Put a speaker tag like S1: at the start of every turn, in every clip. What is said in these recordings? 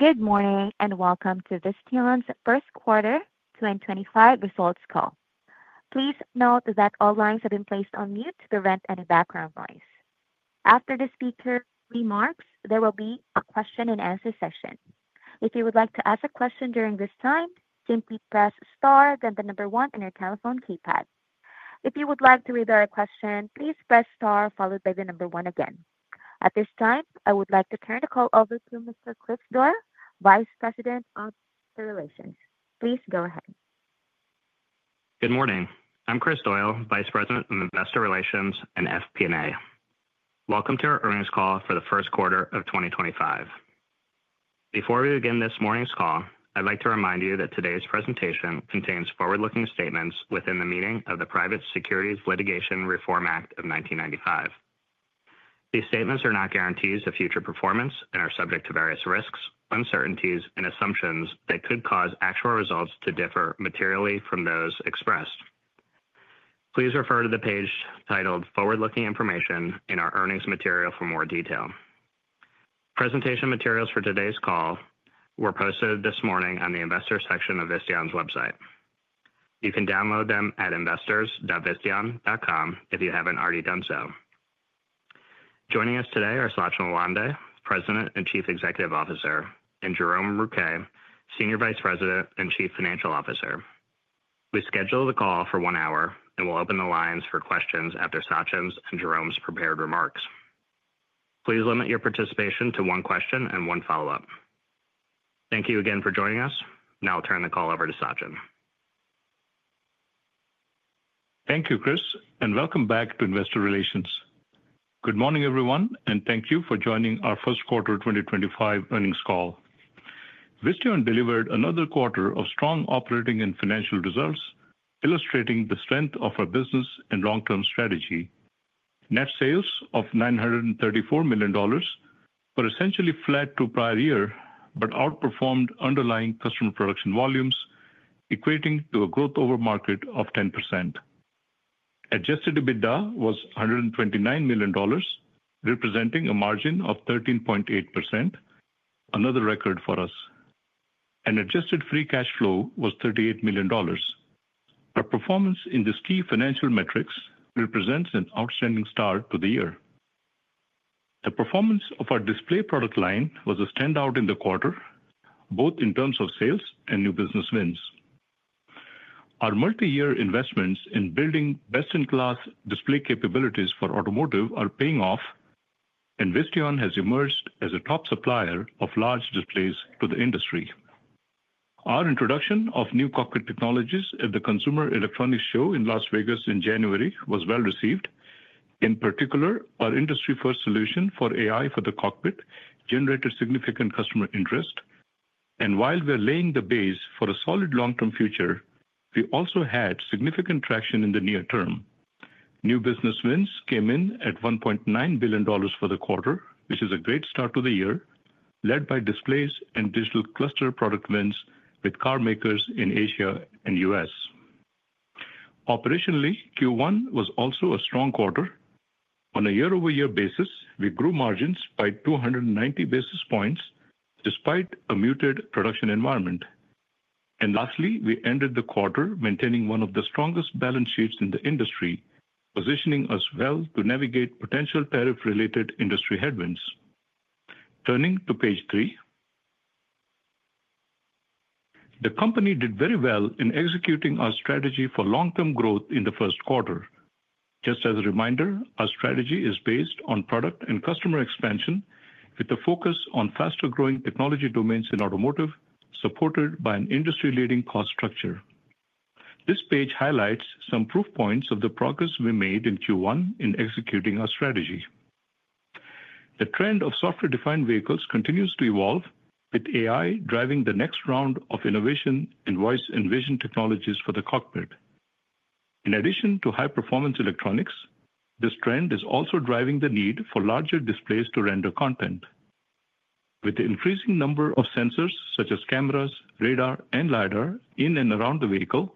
S1: Good morning and welcome to Visteon's First Quarter 2025 Results Call. Please note that all lines have been placed on mute to prevent any background noise. After the speaker remarks, there will be a question-and-answer session. If you would like to ask a question during this time, simply press star then the number one on your telephone keypad. If you would like to read a question, please press star followed by the number one again. At this time, I would like to turn the call over to Mr. Kris Doyle, Vice President of Investor Relations. Please go ahead.
S2: Good morning. I'm Kris Doyle, Vice President of Investor Relations and FP&A. Welcome to our earnings call for the first quarter of 2025. Before we begin this morning's call, I'd like to remind you that today's presentation contains forward-looking statements within the meaning of the Private Securities Litigation Reform Act of 1995. These statements are not guarantees of future performance and are subject to various risks, uncertainties, and assumptions that could cause actual results to differ materially from those expressed. Please refer to the page titled Forward-Looking Information in our earnings material for more detail. Presentation materials for today's call were posted this morning on the investor section of Visteon's website. You can download them at investors.visteon.com if you haven't already done so. Joining us today are Sachin Lawande, President and Chief Executive Officer, and Jerome Rouquet, Senior Vice President and Chief Financial Officer. We schedule the call for one hour and will open the lines for questions after Sachin's and Jerome's prepared remarks. Please limit your participation to one question and one follow-up. Thank you again for joining us. Now I'll turn the call over to Sachin.
S3: Thank you, Kris, and welcome back to investor relations. Good morning, everyone, and thank you for joining our First Quarter 2025 Earnings Call. Visteon delivered another quarter of strong operating and financial results, illustrating the strength of our business and long-term strategy. Net sales of $934 million were essentially flat to prior year, but outperformed underlying customer production volumes, equating to a growth over market of 10%. Adjusted EBITDA was $129 million, representing a margin of 13.8%, another record for us. An adjusted free cash flow was $38 million. Our performance in these key financial metrics represents an outstanding start to the year. The performance of our display product line was a standout in the quarter, both in terms of sales and new business wins. Our multi-year investments in building best-in-class display capabilities for automotive are paying off, and Visteon has emerged as a top supplier of large displays to the industry. Our introduction of new cockpit technologies at the Consumer Electronics Show in Las Vegas in January was well received. In particular, our industry-first solution for AI for the cockpit generated significant customer interest. While we're laying the base for a solid long-term future, we also had significant traction in the near term. New business wins came in at $1.9 billion for the quarter, which is a great start to the year, led by displays and digital cluster product wins with carmakers in Asia and the U.S.. Operationally, Q1 was also a strong quarter. On a year-over-year basis, we grew margins by 290 basis points despite a muted production environment. Lastly, we ended the quarter maintaining one of the strongest balance sheets in the industry, positioning us well to navigate potential tariff-related industry headwinds. Turning to page three, the company did very well in executing our strategy for long-term growth in the first quarter. Just as a reminder, our strategy is based on product and customer expansion, with a focus on faster-growing technology domains in automotive, supported by an industry-leading cost structure. This page highlights some proof points of the progress we made in Q1 in executing our strategy. The trend of software-defined vehicles continues to evolve, with AI driving the next round of innovation in voice and vision technologies for the cockpit. In addition to high-performance electronics, this trend is also driving the need for larger displays to render content. With the increasing number of sensors, such as cameras, radar, and LiDAR, in and around the vehicle,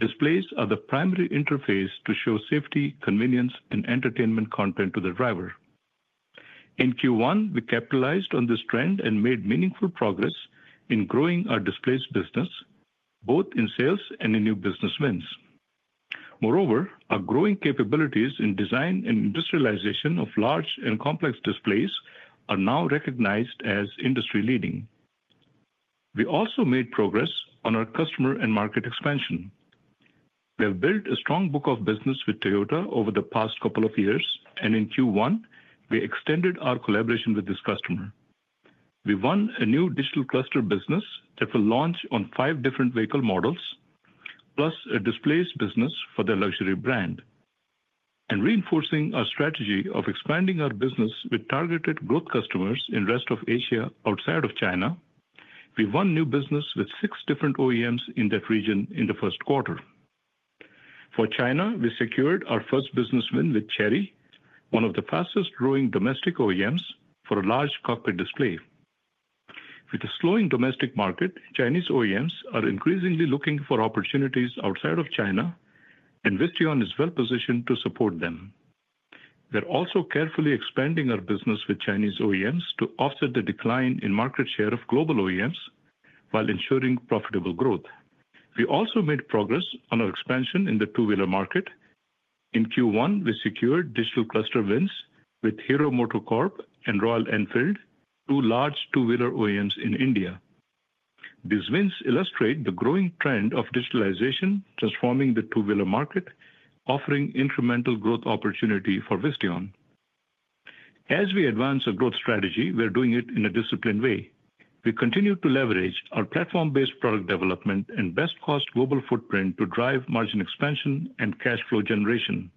S3: displays are the primary interface to show safety, convenience, and entertainment content to the driver. In Q1, we capitalized on this trend and made meaningful progress in growing our displays business, both in sales and in new business wins. Moreover, our growing capabilities in design and industrialization of large and complex displays are now recognized as industry-leading. We also made progress on our customer and market expansion. We have built a strong book of business with Toyota over the past couple of years, and in Q1, we extended our collaboration with this customer. We won a new digital cluster business that will launch on five different vehicle models, plus a displays business for the luxury brand. Reinforcing our strategy of expanding our business with targeted growth customers in the rest of Asia outside of China, we won new business with six different OEMs in that region in the first quarter. For China, we secured our first business win with Chery, one of the fastest-growing domestic OEMs, for a large cockpit display. With a slowing domestic market, Chinese OEMs are increasingly looking for opportunities outside of China, and Visteon is well positioned to support them. We are also carefully expanding our business with Chinese OEMs to offset the decline in market share of global OEMs while ensuring profitable growth. We also made progress on our expansion in the two-wheeler market. In Q1, we secured digital cluster wins with Hero MotoCorp and Royal Enfield, two large two-wheeler OEMs in India. These wins illustrate the growing trend of digitalization transforming the two-wheeler market, offering incremental growth opportunity for Visteon. As we advance our growth strategy, we are doing it in a disciplined way. We continue to leverage our platform-based product development and best-cost global footprint to drive margin expansion and cash flow generation.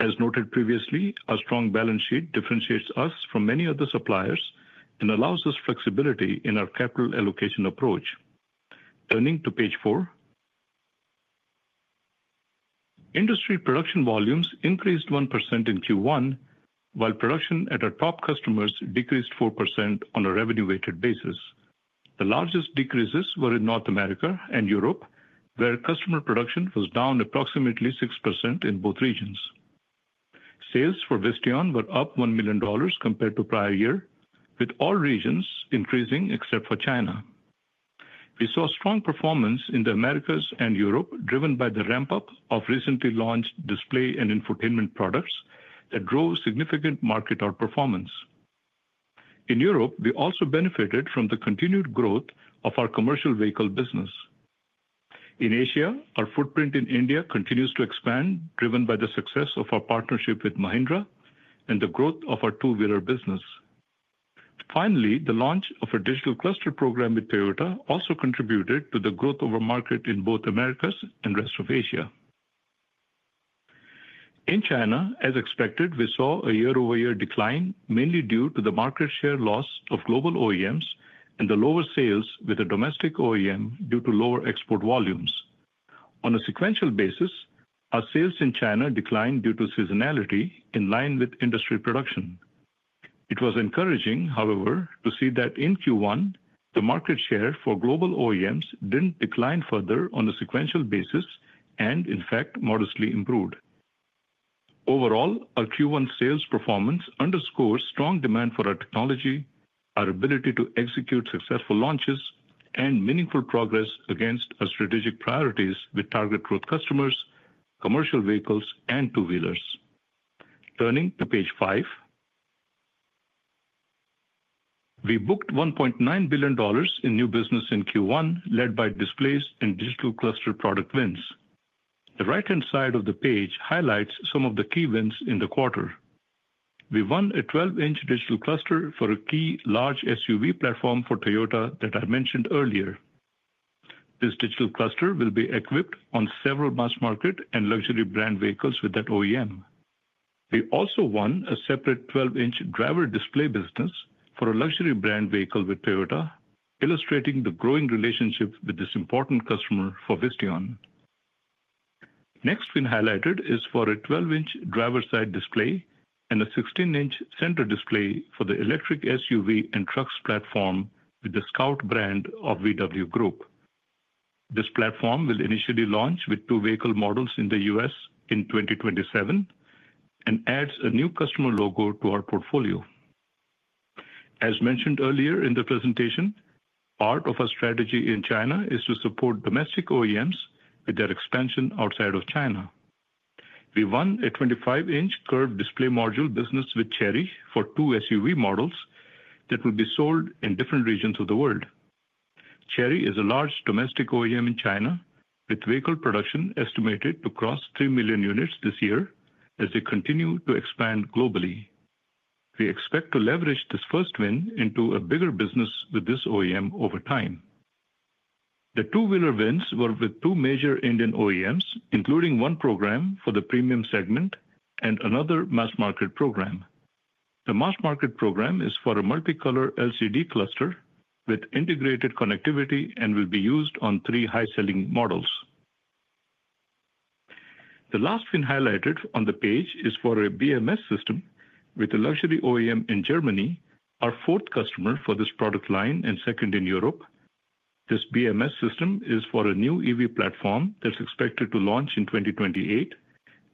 S3: As noted previously, our strong balance sheet differentiates us from many other suppliers and allows us flexibility in our capital allocation approach. Turning to page four, industry production volumes increased 1% in Q1, while production at our top customers decreased 4% on a revenue-weighted basis. The largest decreases were in North America and Europe, where customer production was down approximately 6% in both regions. Sales for Visteon were up $1 million compared to prior year, with all regions increasing except for China. We saw strong performance in the Americas and Europe, driven by the ramp-up of recently launched display and infotainment products that drove significant market outperformance. In Europe, we also benefited from the continued growth of our commercial vehicle business. In Asia, our footprint in India continues to expand, driven by the success of our partnership with Mahindra and the growth of our two-wheeler business. Finally, the launch of our digital cluster program with Toyota also contributed to the growth of our market in both Americas and the rest of Asia. In China, as expected, we saw a year-over-year decline, mainly due to the market share loss of global OEMs and the lower sales with a domestic OEM due to lower export volumes. On a sequential basis, our sales in China declined due to seasonality in line with industry production. It was encouraging, however, to see that in Q1, the market share for global OEMs did not decline further on a sequential basis and, in fact, modestly improved. Overall, our Q1 sales performance underscores strong demand for our technology, our ability to execute successful launches, and meaningful progress against our strategic priorities with target growth customers, commercial vehicles, and two-wheelers. Turning to page five, we booked $1.9 billion in new business in Q1, led by displays and digital cluster product wins. The right-hand side of the page highlights some of the key wins in the quarter. We won a 12 in digital cluster for a key large SUV platform for Toyota that I mentioned earlier. This digital cluster will be equipped on several mass-market and luxury brand vehicles with that OEM. We also won a separate 12 in driver display business for a luxury brand vehicle with Toyota, illustrating the growing relationship with this important customer for Visteon. Next we highlighted is for a 12 in driver-side display and a 16 in center display for the electric SUV and trucks platform with the Scout brand of VW Group. This platform will initially launch with two vehicle models in the U.S. in 2027 and adds a new customer logo to our portfolio. As mentioned earlier in the presentation, part of our strategy in China is to support domestic OEMs with their expansion outside of China. We won a 25 in curved display module business with Chery for two SUV models that will be sold in different regions of the world. Chery is a large domestic OEM in China with vehicle production estimated to cross 3 million units this year as they continue to expand globally. We expect to leverage this first win into a bigger business with this OEM over time. The two-wheeler wins were with two major Indian OEMs, including one program for the premium segment and another mass-market program. The mass-market program is for a multicolor LCD cluster with integrated connectivity and will be used on three high-selling models. The last we highlighted on the page is for a BMS system with a luxury OEM in Germany, our fourth customer for this product line and second in Europe. This BMS system is for a new EV platform that is expected to launch in 2028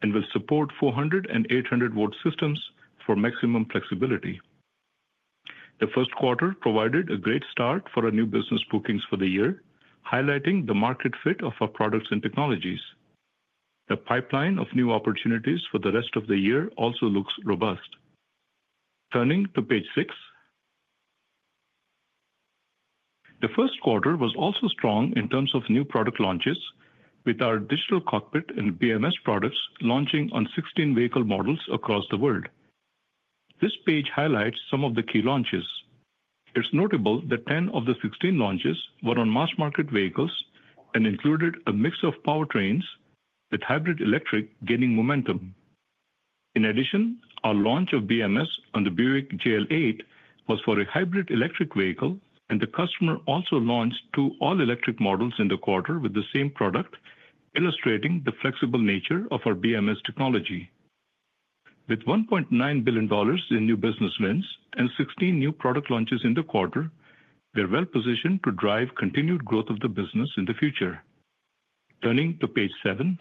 S3: and will support 400 and 800-volt systems for maximum flexibility. The first quarter provided a great start for our new business bookings for the year, highlighting the market fit of our products and technologies. The pipeline of new opportunities for the rest of the year also looks robust. Turning to page six, the first quarter was also strong in terms of new product launches, with our digital cockpit and BMS products launching on 16 vehicle models across the world. This page highlights some of the key launches. It's notable that 10 of the 16 launches were on mass-market vehicles and included a mix of powertrains, with hybrid electric gaining momentum. In addition, our launch of BMS on the Buick GL8 was for a hybrid electric vehicle, and the customer also launched two all-electric models in the quarter with the same product, illustrating the flexible nature of our BMS technology. With $1.9 billion in new business wins and 16 new product launches in the quarter, we are well positioned to drive continued growth of the business in the future. Turning to page seven,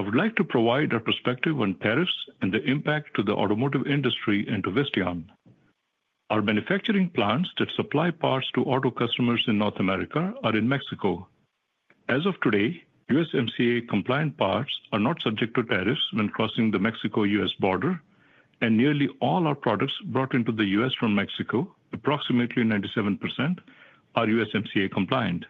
S3: I would like to provide a perspective on tariffs and the impact to the automotive industry and to Visteon. Our manufacturing plants that supply parts to auto customers in North America are in Mexico. As of today, USMCA-compliant parts are not subject to tariffs when crossing the Mexico-U.S. border, and nearly all our products brought into the U.S. from Mexico, approximately 97%, are USMCA-compliant.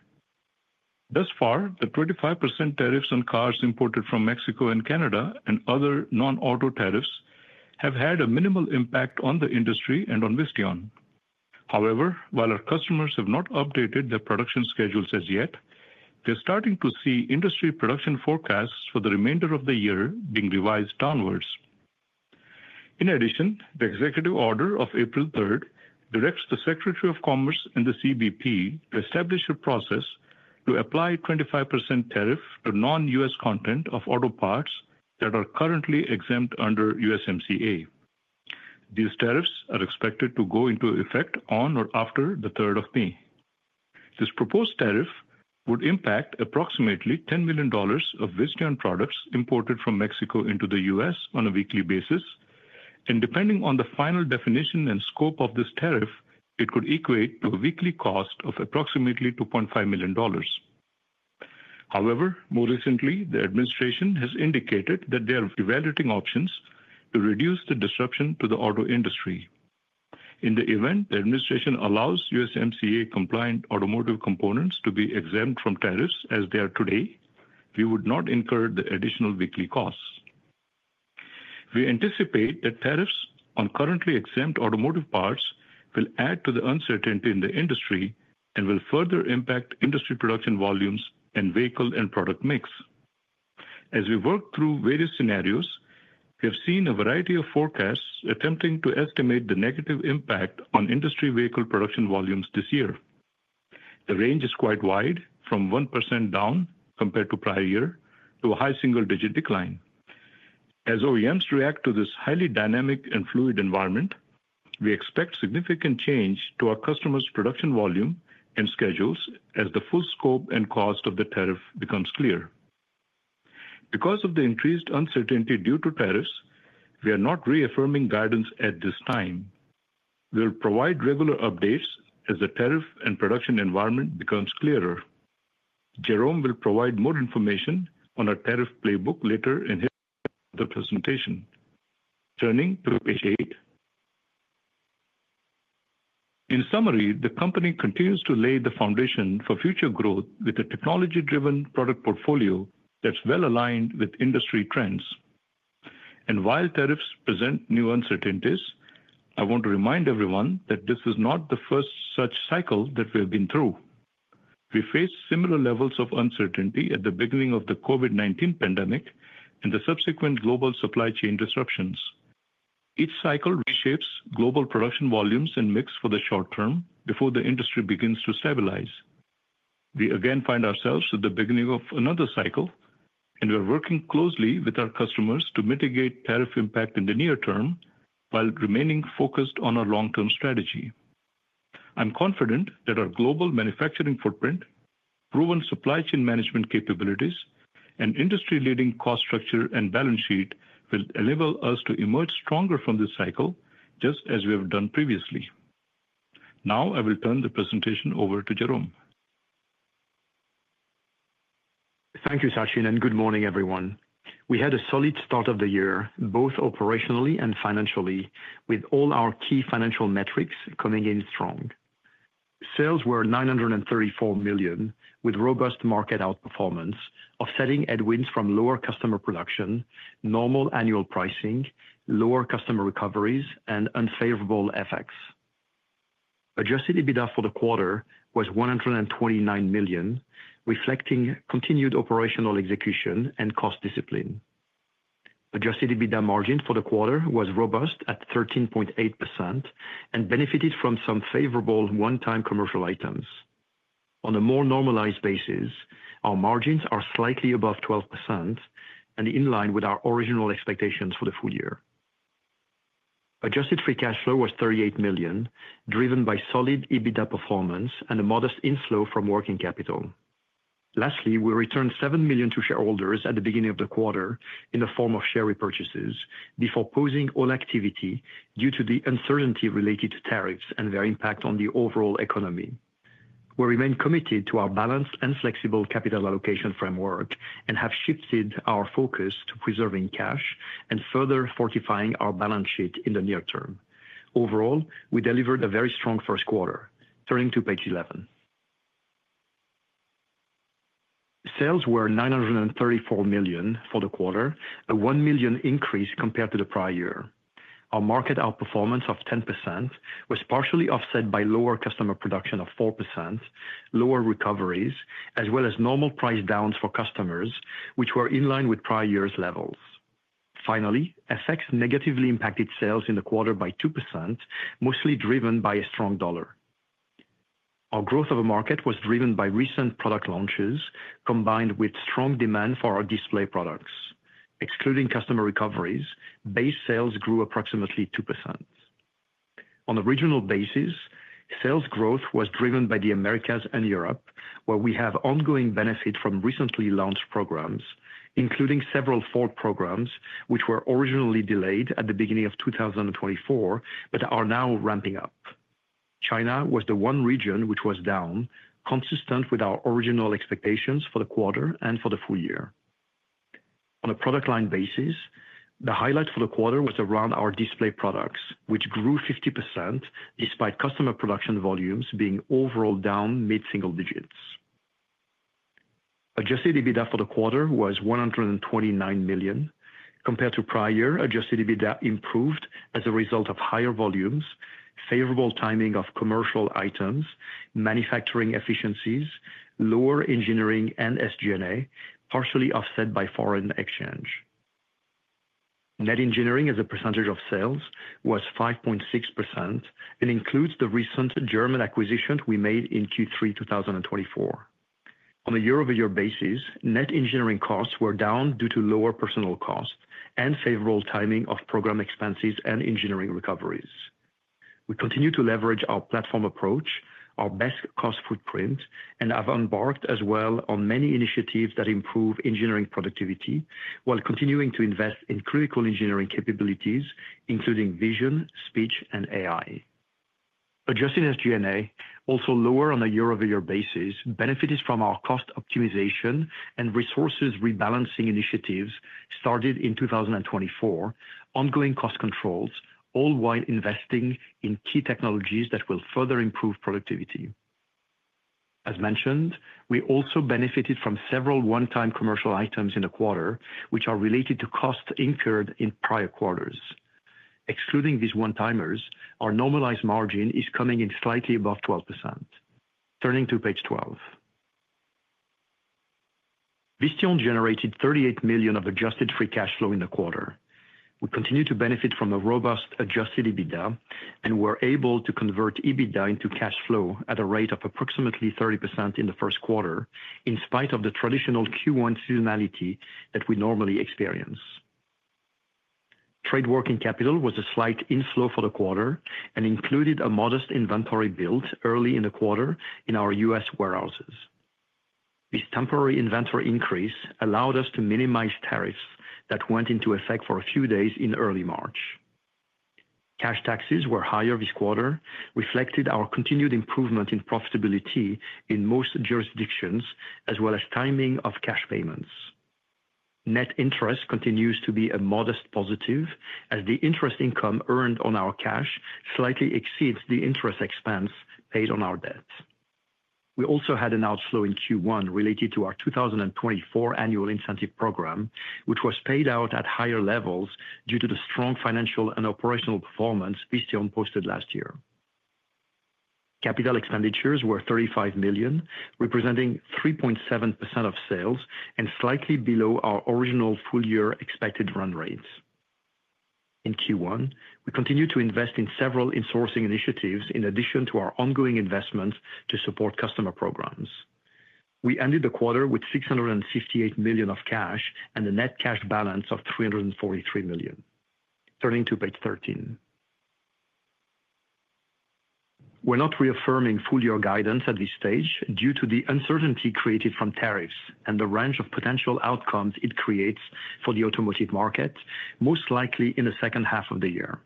S3: Thus far, the 25% tariffs on cars imported from Mexico and Canada and other non-auto tariffs have had a minimal impact on the industry and on Visteon. However, while our customers have not updated their production schedules as yet, they're starting to see industry production forecasts for the remainder of the year being revised downwards. In addition, the executive order of April 3rd directs the Secretary of Commerce and the CBP to establish a process to apply a 25% tariff to non-U.S. content of auto parts that are currently exempt under USMCA. These tariffs are expected to go into effect on or after the 3rd of May. This proposed tariff would impact approximately $10 million of Visteon products imported from Mexico into the U.S. on a weekly basis. Depending on the final definition and scope of this tariff, it could equate to a weekly cost of approximately $2.5 million. However, more recently, the administration has indicated that they are evaluating options to reduce the disruption to the auto industry. In the event the administration allows USMCA-compliant automotive components to be exempt from tariffs as they are today, we would not incur the additional weekly costs. We anticipate that tariffs on currently exempt automotive parts will add to the uncertainty in the industry and will further impact industry production volumes and vehicle and product mix. As we work through various scenarios, we have seen a variety of forecasts attempting to estimate the negative impact on industry vehicle production volumes this year. The range is quite wide, from 1% down compared to prior year to a high single-digit decline. As OEMs react to this highly dynamic and fluid environment, we expect significant change to our customers' production volume and schedules as the full scope and cost of the tariff becomes clear. Because of the increased uncertainty due to tariffs, we are not reaffirming guidance at this time. We will provide regular updates as the tariff and production environment becomes clearer. Jerome will provide more information on our tariff playbook later in the presentation. Turning to page eight, in summary, the company continues to lay the foundation for future growth with a technology-driven product portfolio that's well aligned with industry trends. While tariffs present new uncertainties, I want to remind everyone that this is not the first such cycle that we have been through. We faced similar levels of uncertainty at the beginning of the COVID-19 pandemic and the subsequent global supply chain disruptions. Each cycle reshapes global production volumes and mix for the short term before the industry begins to stabilize. We again find ourselves at the beginning of another cycle, and we are working closely with our customers to mitigate tariff impact in the near term while remaining focused on our long-term strategy. I'm confident that our global manufacturing footprint, proven supply chain management capabilities, and industry-leading cost structure and balance sheet will enable us to emerge stronger from this cycle, just as we have done previously. Now I will turn the presentation over to Jerome.
S4: Thank you, Sachin, and good morning, everyone. We had a solid start of the year, both operationally and financially, with all our key financial metrics coming in strong. Sales were $934 million, with robust market outperformance, offsetting headwinds from lower customer production, normal annual pricing, lower customer recoveries, and unfavorable effects. Adjusted EBITDA for the quarter was $129 million, reflecting continued operational execution and cost discipline. Adjusted EBITDA margin for the quarter was robust at 13.8% and benefited from some favorable one-time commercial items. On a more normalized basis, our margins are slightly above 12% and in line with our original expectations for the full year. Adjusted free cash flow was $38 million, driven by solid EBITDA performance and a modest inflow from working capital. Lastly, we returned $7 million to shareholders at the beginning of the quarter in the form of share repurchases before pausing all activity due to the uncertainty related to tariffs and their impact on the overall economy. We remain committed to our balanced and flexible capital allocation framework and have shifted our focus to preserving cash and further fortifying our balance sheet in the near term. Overall, we delivered a very strong first quarter. Turning to page 11, sales were $934 million for the quarter, a $1 million increase compared to the prior year. Our market outperformance of 10% was partially offset by lower customer production of 4%, lower recoveries, as well as normal price downs for customers, which were in line with prior year's levels. Finally, FX negatively impacted sales in the quarter by 2%, mostly driven by a strong dollar. Our growth of the market was driven by recent product launches combined with strong demand for our display products. Excluding customer recoveries, base sales grew approximately 2%. On a regional basis, sales growth was driven by the Americas and Europe, where we have ongoing benefit from recently launched programs, including several Ford programs, which were originally delayed at the beginning of 2024 but are now ramping up. China was the one region which was down, consistent with our original expectations for the quarter and for the full year. On a product line basis, the highlight for the quarter was around our display products, which grew 50% despite customer production volumes being overall down mid-single digits. Adjusted EBITDA for the quarter was $129 million. Compared to prior year, adjusted EBITDA improved as a result of higher volumes, favorable timing of commercial items, manufacturing efficiencies, lower engineering, and SG&A, partially offset by foreign exchange. Net engineering as a percentage of sales was 5.6% and includes the recent German acquisition we made in Q3 2024. On a year-over-year basis, net engineering costs were down due to lower personnel costs and favorable timing of program expenses and engineering recoveries. We continue to leverage our platform approach, our best cost footprint, and have embarked as well on many initiatives that improve engineering productivity while continuing to invest in critical engineering capabilities, including vision, speech, and AI. Adjusted SG&A, also lower on a year-over-year basis, benefited from our cost optimization and resources rebalancing initiatives started in 2024, ongoing cost controls, all while investing in key technologies that will further improve productivity. As mentioned, we also benefited from several one-time commercial items in the quarter, which are related to costs incurred in prior quarters. Excluding these one-timers, our normalized margin is coming in slightly above 12%. Turning to page 12, Visteon generated $38 million of adjusted free cash flow in the quarter. We continue to benefit from a robust adjusted EBITDA and were able to convert EBITDA into cash flow at a rate of approximately 30% in the first quarter, in spite of the traditional Q1 seasonality that we normally experience. Trade working capital was a slight inflow for the quarter and included a modest inventory build early in the quarter in our U.S. warehouses. This temporary inventory increase allowed us to minimize tariffs that went into effect for a few days in early March. Cash taxes were higher this quarter, reflecting our continued improvement in profitability in most jurisdictions, as well as timing of cash payments. Net interest continues to be a modest positive as the interest income earned on our cash slightly exceeds the interest expense paid on our debt. We also had an outflow in Q1 related to our 2024 annual incentive program, which was paid out at higher levels due to the strong financial and operational performance Visteon posted last year. Capital expenditures were $35 million, representing 3.7% of sales and slightly below our original full-year expected run rates. In Q1, we continued to invest in several in-sourcing initiatives in addition to our ongoing investments to support customer programs. We ended the quarter with $658 million of cash and a net cash balance of $343 million. Turning to page 13, we're not reaffirming full-year guidance at this stage due to the uncertainty created from tariffs and the range of potential outcomes it creates for the automotive market, most likely in the second half of the year.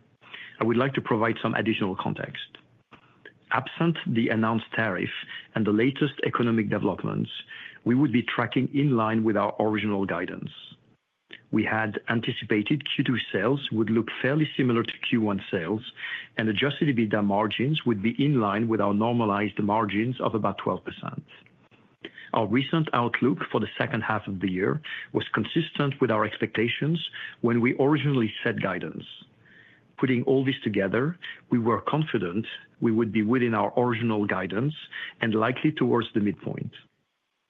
S4: I would like to provide some additional context. Absent the announced tariff and the latest economic developments, we would be tracking in line with our original guidance. We had anticipated Q2 sales would look fairly similar to Q1 sales, and adjusted EBITDA margins would be in line with our normalized margins of about 12%. Our recent outlook for the second half of the year was consistent with our expectations when we originally set guidance. Putting all this together, we were confident we would be within our original guidance and likely towards the midpoint.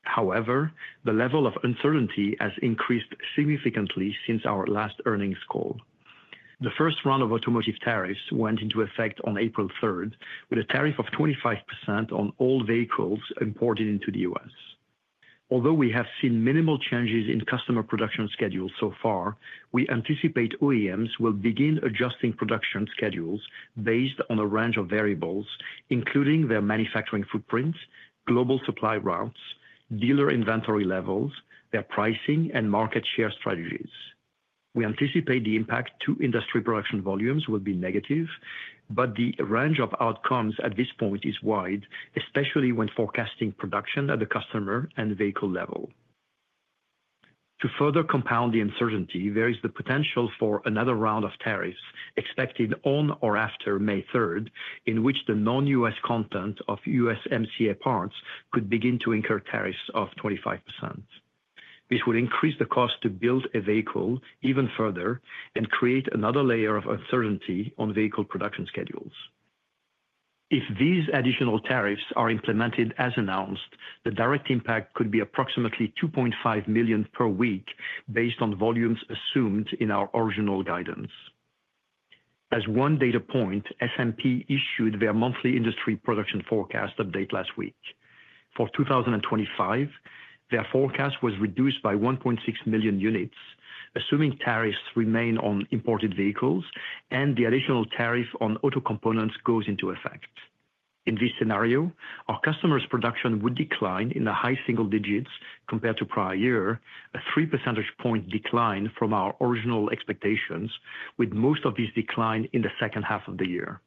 S4: However, the level of uncertainty has increased significantly since our last earnings call. The first round of automotive tariffs went into effect on April 3rd, with a tariff of 25% on all vehicles imported into the U.S.. Although we have seen minimal changes in customer production schedules so far, we anticipate OEMs will begin adjusting production schedules based on a range of variables, including their manufacturing footprint, global supply routes, dealer inventory levels, their pricing, and market share strategies. We anticipate the impact to industry production volumes will be negative, but the range of outcomes at this point is wide, especially when forecasting production at the customer and vehicle level. To further compound the uncertainty, there is the potential for another round of tariffs expected on or after May 3rd, in which the non-U.S. content of USMCA parts could begin to incur tariffs of 25%. This would increase the cost to build a vehicle even further and create another layer of uncertainty on vehicle production schedules. If these additional tariffs are implemented as announced, the direct impact could be approximately $2.5 million per week based on volumes assumed in our original guidance. As one data point, SMP issued their monthly industry production forecast update last week. For 2025, their forecast was reduced by 1.6 million units, assuming tariffs remain on imported vehicles and the additional tariff on auto components goes into effect. In this scenario, our customers' production would decline in the high single digits compared to prior year, a 3 percentage point decline from our original expectations, with most of this decline in the second half of the year.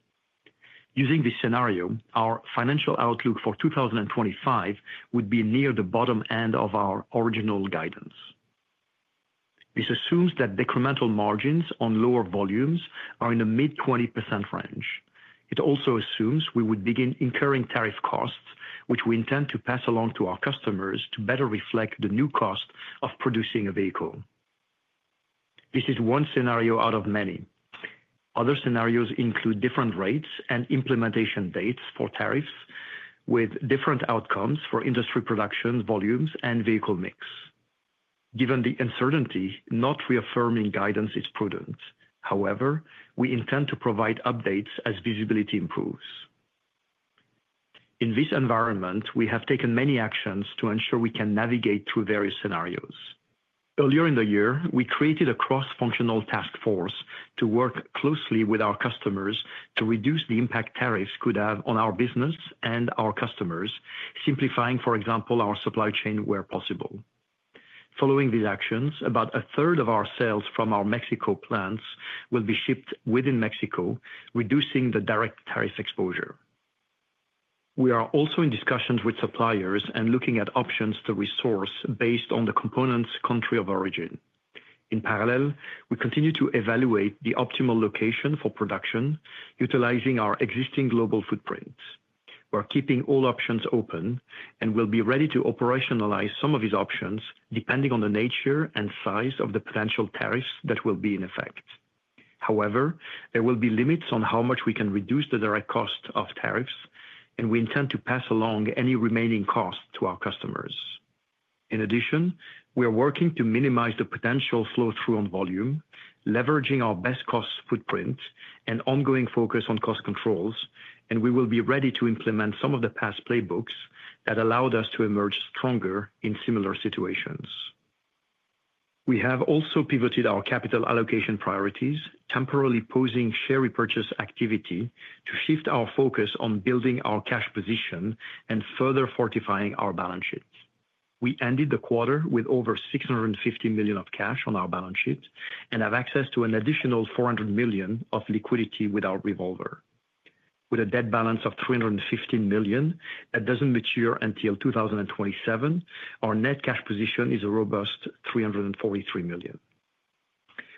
S4: Using this scenario, our financial outlook for 2025 would be near the bottom end of our original guidance. This assumes that decremental margins on lower volumes are in the mid-20% range. It also assumes we would begin incurring tariff costs, which we intend to pass along to our customers to better reflect the new cost of producing a vehicle. This is one scenario out of many. Other scenarios include different rates and implementation dates for tariffs, with different outcomes for industry production volumes and vehicle mix. Given the uncertainty, not reaffirming guidance is prudent. However, we intend to provide updates as visibility improves. In this environment, we have taken many actions to ensure we can navigate through various scenarios. Earlier in the year, we created a cross-functional task force to work closely with our customers to reduce the impact tariffs could have on our business and our customers, simplifying, for example, our supply chain where possible. Following these actions, about 1/3 of our sales from our Mexico plants will be shipped within Mexico, reducing the direct tariff exposure. We are also in discussions with suppliers and looking at options to resource based on the component's country of origin. In parallel, we continue to evaluate the optimal location for production, utilizing our existing global footprint. We're keeping all options open and will be ready to operationalize some of these options depending on the nature and size of the potential tariffs that will be in effect. However, there will be limits on how much we can reduce the direct cost of tariffs, and we intend to pass along any remaining cost to our customers. In addition, we are working to minimize the potential flow-through on volume, leveraging our best cost footprint and ongoing focus on cost controls, and we will be ready to implement some of the past playbooks that allowed us to emerge stronger in similar situations. We have also pivoted our capital allocation priorities, temporarily pausing share repurchase activity to shift our focus on building our cash position and further fortifying our balance sheet. We ended the quarter with over $650 million of cash on our balance sheet and have access to an additional $400 million of liquidity with our revolver. With a debt balance of $315 million that does not mature until 2027, our net cash position is a robust $343 million.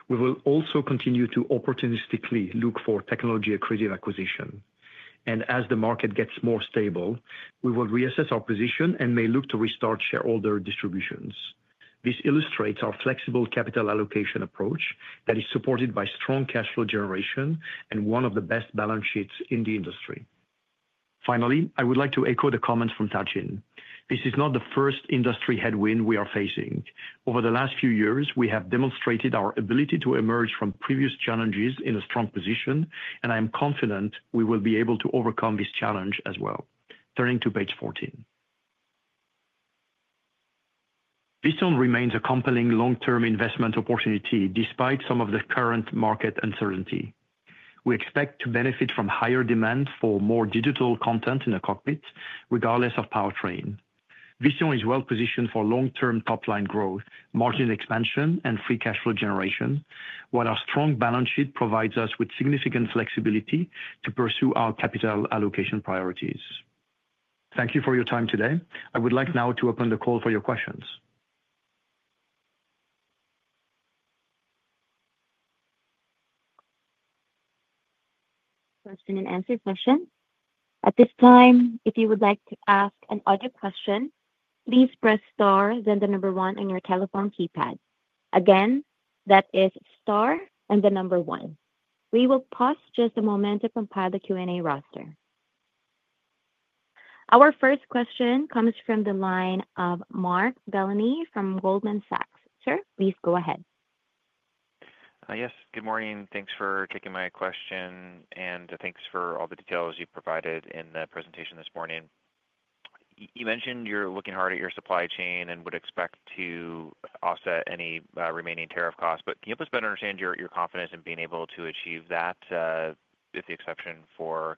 S4: We will also continue to opportunistically look for technology-accretive acquisition. As the market gets more stable, we will reassess our position and may look to restart shareholder distributions. This illustrates our flexible capital allocation approach that is supported by strong cash flow generation and one of the best balance sheets in the industry. Finally, I would like to echo the comments from Sachin. This is not the first industry headwind we are facing. Over the last few years, we have demonstrated our ability to emerge from previous challenges in a strong position, and I am confident we will be able to overcome this challenge as well. Turning to page 14, Visteon remains a compelling long-term investment opportunity despite some of the current market uncertainty. We expect to benefit from higher demand for more digital content in the cockpit, regardless of powertrain. Visteon is well positioned for long-term top-line growth, margin expansion, and free cash flow generation, while our strong balance sheet provides us with significant flexibility to pursue our capital allocation priorities. Thank you for your time today. I would like now to open the call for your questions.
S1: Question and answer session. At this time, if you would like to ask an audit question, please press star then the number one on your telephone keypad. Again, that is star and the number one. We will pause just a moment to compile the Q&A roster. Our first question comes from the line of Mark Delaney from Goldman Sachs. Sir, please go ahead.
S5: Yes, good morning. Thanks for taking my question and thanks for all the details you provided in the presentation this morning. You mentioned you're looking hard at your supply chain and would expect to offset any remaining tariff costs, but can you help us better understand your confidence in being able to achieve that with the exception for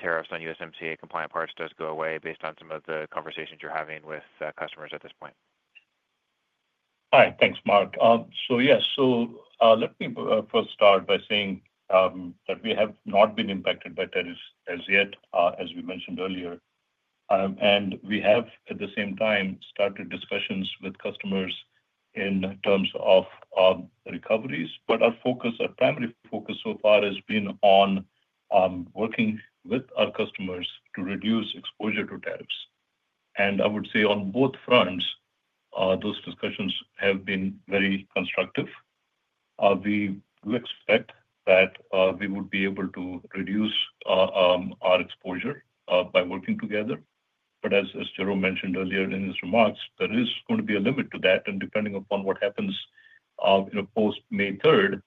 S5: tariffs on USMCA compliant parts does go away based on some of the conversations you're having with customers at this point?
S3: Hi, thanks, Mark. Yes, let me first start by saying that we have not been impacted by tariffs as yet, as we mentioned earlier. We have, at the same time, started discussions with customers in terms of recoveries, but our focus, our primary focus so far has been on working with our customers to reduce exposure to tariffs. I would say on both fronts, those discussions have been very constructive. We do expect that we would be able to reduce our exposure by working together. As Jerome mentioned earlier in his remarks, there is going to be a limit to that. Depending upon what happens post-May 3rd,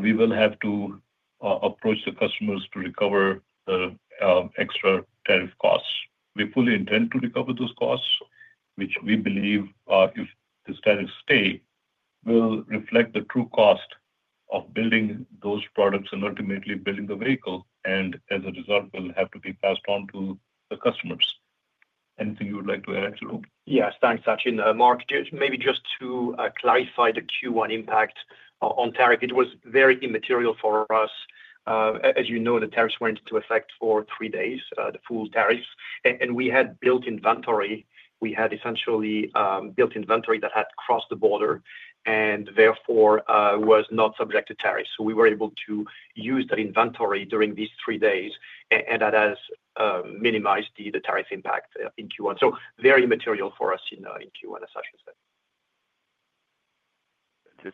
S3: we will have to approach the customers to recover the extra tariff costs. We fully intend to recover those costs, which we believe if the status stays, will reflect the true cost of building those products and ultimately building the vehicle. As a result, will have to be passed on to the customers. Anything you would like to add, Jerome?
S4: Yes, thanks, Sachin. Mark, maybe just to clarify the Q1 impact on tariff, it was very immaterial for us. As you know, the tariffs went into effect for three days, the full tariffs. We had built inventory. We had essentially built inventory that had crossed the border and therefore was not subject to tariffs. We were able to use that inventory during these three days, and that has minimized the tariff impact in Q1. Very immaterial for us in Q1, as Sachin said.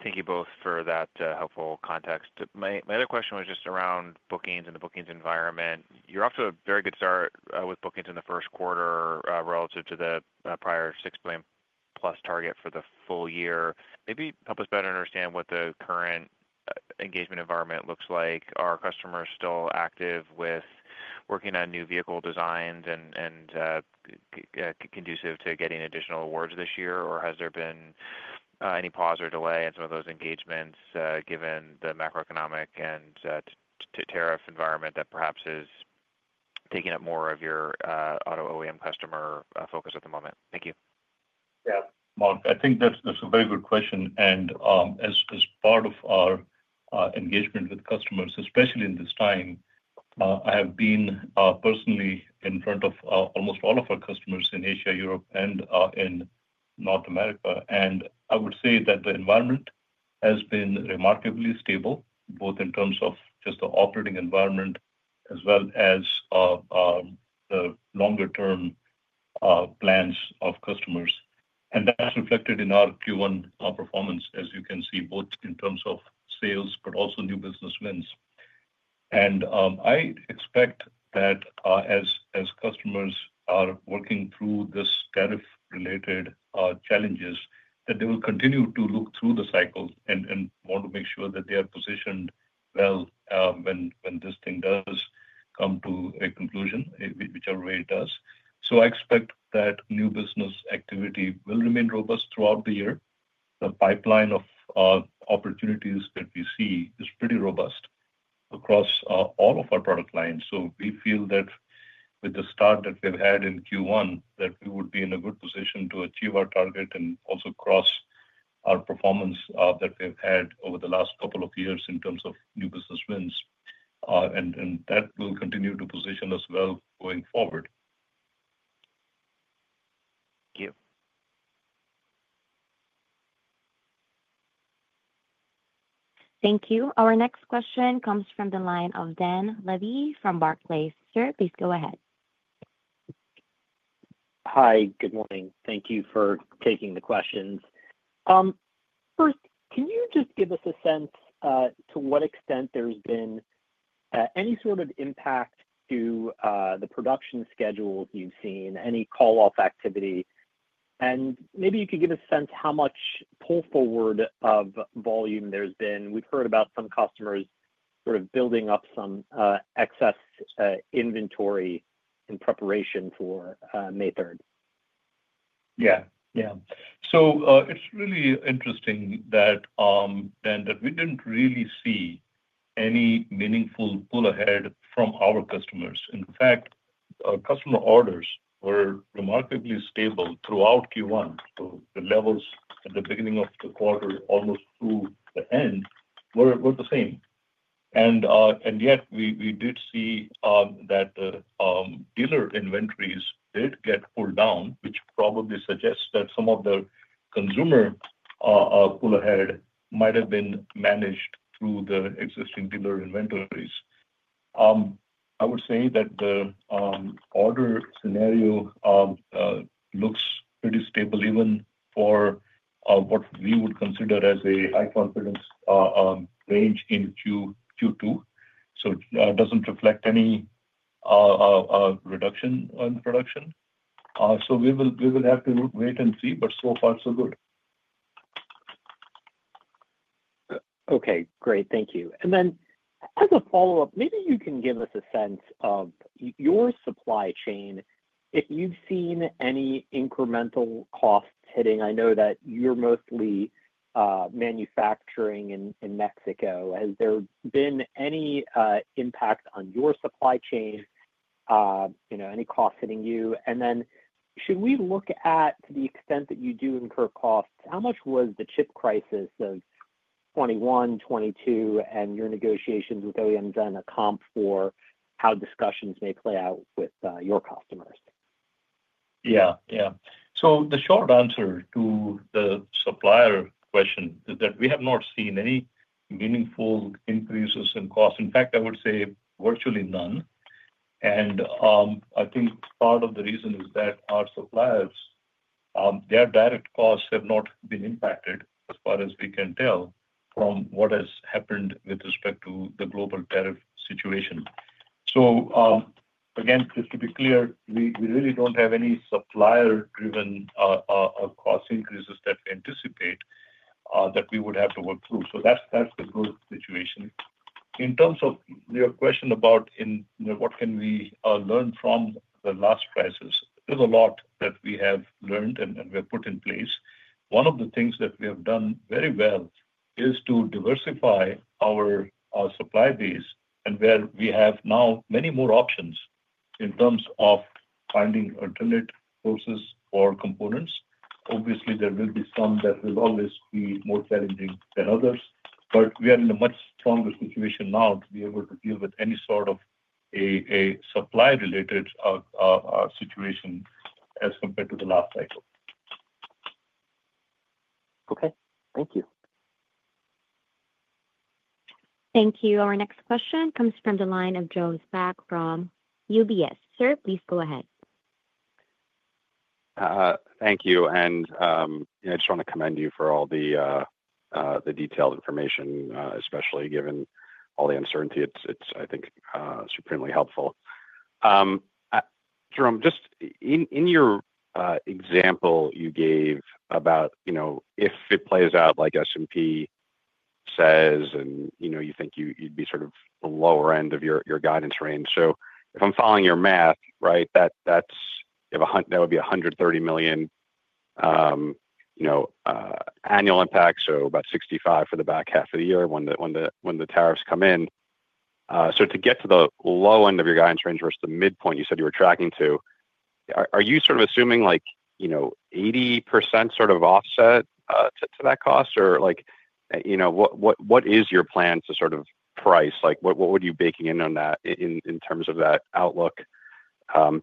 S5: Thank you both for that helpful context. My other question was just around bookings and the bookings environment. You're off to a very good start with bookings in the first quarter relative to the prior $6 million plus target for the full year. Maybe help us better understand what the current engagement environment looks like. Are customers still active with working on new vehicle designs and conducive to getting additional awards this year, or has there been any pause or delay in some of those engagements given the macroeconomic and tariff environment that perhaps is taking up more of your auto OEM customer focus at the moment? Thank you.
S3: Yeah, Mark, I think that's a very good question. As part of our engagement with customers, especially in this time, I have been personally in front of almost all of our customers in Asia, Europe, and in North America. I would say that the environment has been remarkably stable, both in terms of just the operating environment as well as the longer-term plans of customers. That is reflected in our Q1 performance, as you can see, both in terms of sales but also new business wins. I expect that as customers are working through these tariff-related challenges, they will continue to look through the cycle and want to make sure that they are positioned well when this thing does come to a conclusion, whichever way it does. I expect that new business activity will remain robust throughout the year. The pipeline of opportunities that we see is pretty robust across all of our product lines. We feel that with the start that we've had in Q1, we would be in a good position to achieve our target and also cross our performance that we've had over the last couple of years in terms of new business wins. That will continue to position us well going forward.
S5: Thank you.
S1: Thank you. Our next question comes from the line of Dan Levy from Barclays. Sir, please go ahead.
S6: Hi, good morning. Thank you for taking the questions. First, can you just give us a sense to what extent there's been any sort of impact to the production schedules you've seen, any call-off activity? Maybe you could give us a sense how much pull forward of volume there's been. We've heard about some customers sort of building up some excess inventory in preparation for May 3rd.
S3: Yeah, yeah. It's really interesting that we didn't really see any meaningful pull ahead from our customers. In fact, our customer orders were remarkably stable throughout Q1. The levels at the beginning of the quarter, almost through the end, were the same. Yet, we did see that the dealer inventories did get pulled down, which probably suggests that some of the consumer pull ahead might have been managed through the existing dealer inventories. I would say that the order scenario looks pretty stable even for what we would consider as a high confidence range in Q2. It doesn't reflect any reduction in production. We will have to wait and see, but so far, so good.
S6: Okay, great. Thank you. As a follow-up, maybe you can give us a sense of your supply chain, if you've seen any incremental costs hitting. I know that you're mostly manufacturing in Mexico. Has there been any impact on your supply chain, any costs hitting you? Should we look at the extent that you do incur costs, how much was the chip crisis of 2021, 2022, and your negotiations with OEMs then a comp for how discussions may play out with your customers?
S3: Yeah, yeah. The short answer to the supplier question is that we have not seen any meaningful increases in costs. In fact, I would say virtually none. I think part of the reason is that our suppliers, their direct costs have not been impacted as far as we can tell from what has happened with respect to the global tariff situation. Again, just to be clear, we really do not have any supplier-driven cost increases that we anticipate that we would have to work through. That is the growth situation. In terms of your question about what can we learn from the last crisis, there is a lot that we have learned and we have put in place. One of the things that we have done very well is to diversify our supply base and where we have now many more options in terms of finding alternate sources or components. Obviously, there will be some that will always be more challenging than others, but we are in a much stronger situation now to be able to deal with any sort of a supply-related situation as compared to the last cycle.
S6: Thank you.
S1: Thank you. Our next question comes from the line of Joe Spak from UBS. Sir, please go ahead.
S7: Thank you. I just want to commend you for all the detailed information, especially given all the uncertainty. It's, I think, supremely helpful. Jerome, just in your example you gave about if it plays out like SMP says and you think you'd be sort of the lower end of your guidance range. If I'm following your math right, that would be $130 million annual impact, so about $65 million for the back half of the year when the tariffs come in. To get to the low end of your guidance range versus the midpoint you said you were tracking to, are you sort of assuming 80% sort of offset to that cost? What is your plan to sort of price? What would you be baking in on that in terms of that outlook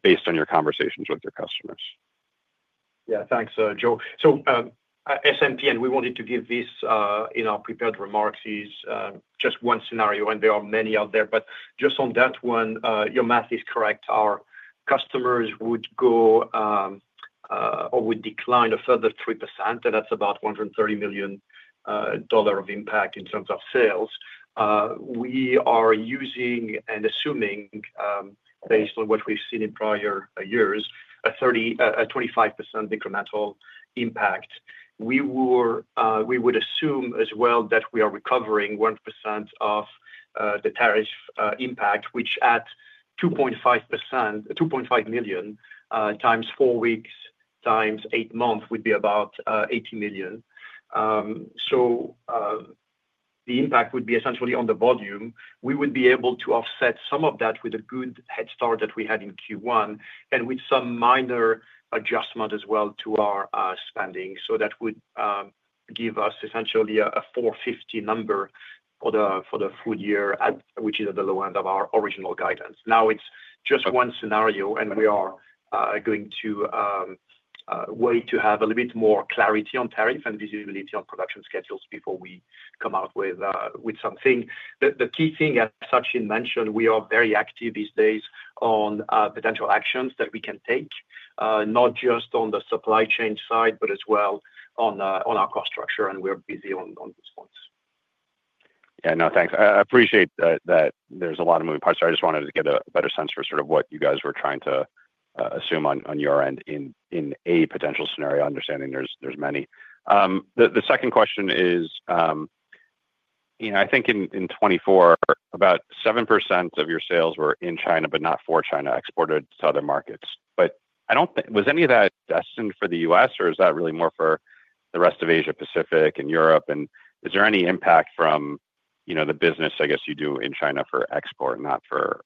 S7: based on your conversations with your customers?
S4: Yeah, thanks, Joe. SMP, and we wanted to give this in our prepared remarks, is just one scenario, and there are many out there. Just on that one, your math is correct. Our customers would go or would decline a further 3%, and that's about $130 million of impact in terms of sales. We are using and assuming, based on what we've seen in prior years, a 25% incremental impact. We would assume as well that we are recovering 1% of the tariff impact, which at $2.5 million times four weeks times eight months would be about $80 million. The impact would be essentially on the volume. We would be able to offset some of that with a good head start that we had in Q1 and with some minor adjustment as well to our spending. That would give us essentially a 450 number for the full year, which is at the low end of our original guidance. Now, it's just one scenario, and we are going to wait to have a little bit more clarity on tariff and visibility on production schedules before we come out with something. The key thing, as Sachin mentioned, we are very active these days on potential actions that we can take, not just on the supply chain side, but as well on our cost structure. We're busy on these points.
S7: Yeah, no, thanks. I appreciate that there's a lot of moving parts. I just wanted to get a better sense for sort of what you guys were trying to assume on your end in a potential scenario, understanding there's many. The second question is, I think in 2024, about 7% of your sales were in China but not for China, exported to other markets. Was any of that destined for the U.S., or is that really more for the rest of Asia Pacific and Europe? Is there any impact from the business, I guess, you do in China for export, not for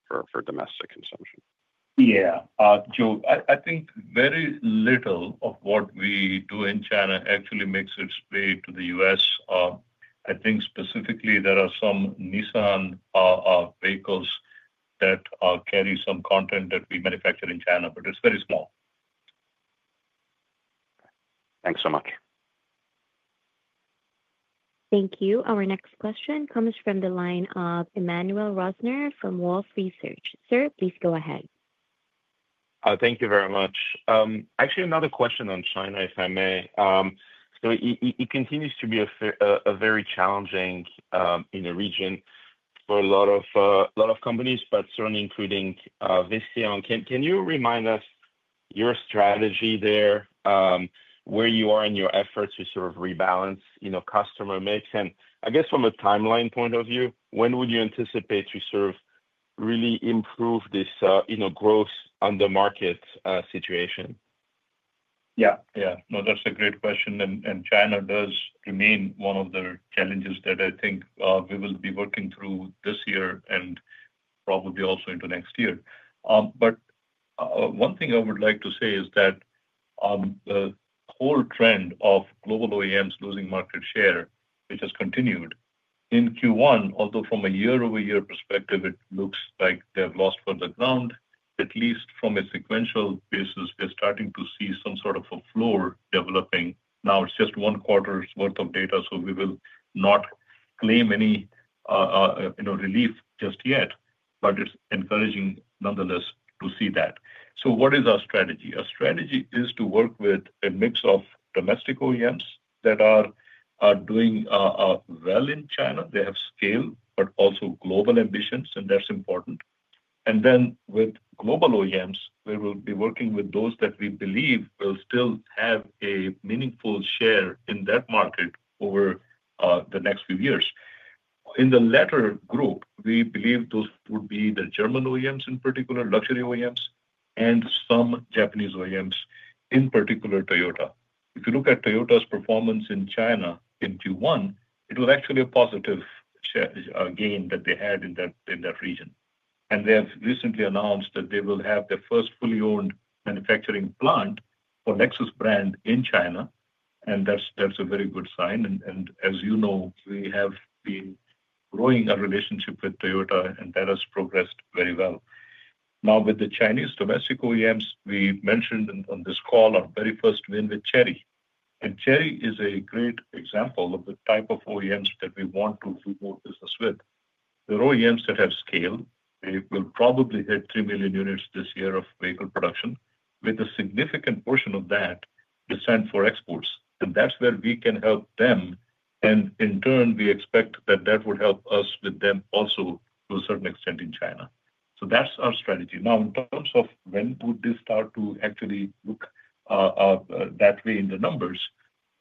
S7: domestic consumption?
S3: Yeah, Joe, I think very little of what we do in China actually makes its way to the U.S.. I think specifically there are some Nissan vehicles that carry some content that we manufacture in China, but it's very small.
S7: Thanks so much.
S1: Thank you. Our next question comes from the line of Emmanuel Rosner from Wolfe Research. Sir, please go ahead.
S8: Thank you very much. Actually, another question on China, if I may. It continues to be a very challenging region for a lot of companies, but certainly including Visteon. Can you remind us your strategy there, where you are in your efforts to sort of rebalance customer mix? I guess from a timeline point of view, when would you anticipate to sort of really improve this growth on the market situation?
S3: Yeah, yeah. No, that's a great question. China does remain one of the challenges that I think we will be working through this year and probably also into next year. One thing I would like to say is that the whole trend of global OEMs losing market share, which has continued in Q1, although from a year-over-year perspective, it looks like they've lost further ground, at least from a sequential basis, we're starting to see some sort of a floor developing. Now, it's just one quarter's worth of data, so we will not claim any relief just yet, but it's encouraging nonetheless to see that. What is our strategy? Our strategy is to work with a mix of domestic OEMs that are doing well in China. They have scale, but also global ambitions, and that's important. With global OEMs, we will be working with those that we believe will still have a meaningful share in that market over the next few years. In the latter group, we believe those would be the German OEMs in particular, luxury OEMs, and some Japanese OEMs, in particular Toyota. If you look at Toyota's performance in China in Q1, it was actually a positive gain that they had in that region. They have recently announced that they will have their first fully owned manufacturing plant for Lexus brand in China. That's a very good sign. As you know, we have been growing our relationship with Toyota, and that has progressed very well. Now, with the Chinese domestic OEMs, we mentioned on this call our very first win with Chery. Chery is a great example of the type of OEMs that we want to do more business with. They're OEMs that have scale. They will probably hit 3 million units this year of vehicle production, with a significant portion of that designed for exports. That's where we can help them. In turn, we expect that that would help us with them also to a certain extent in China. That's our strategy. In terms of when would this start to actually look that way in the numbers,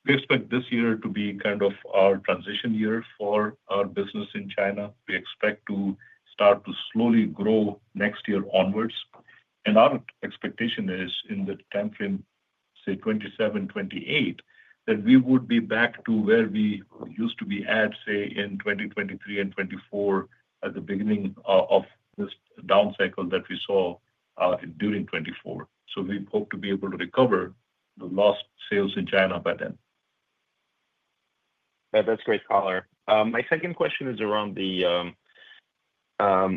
S3: we expect this year to be kind of our transition year for our business in China. We expect to start to slowly grow next year onwards. Our expectation is in the timeframe, say, 2027, 2028, that we would be back to where we used to be at, say, in 2023 and 2024 at the beginning of this down cycle that we saw during 2024. We hope to be able to recover the lost sales in China by then.
S8: Yeah, that's great, Caller. My second question is around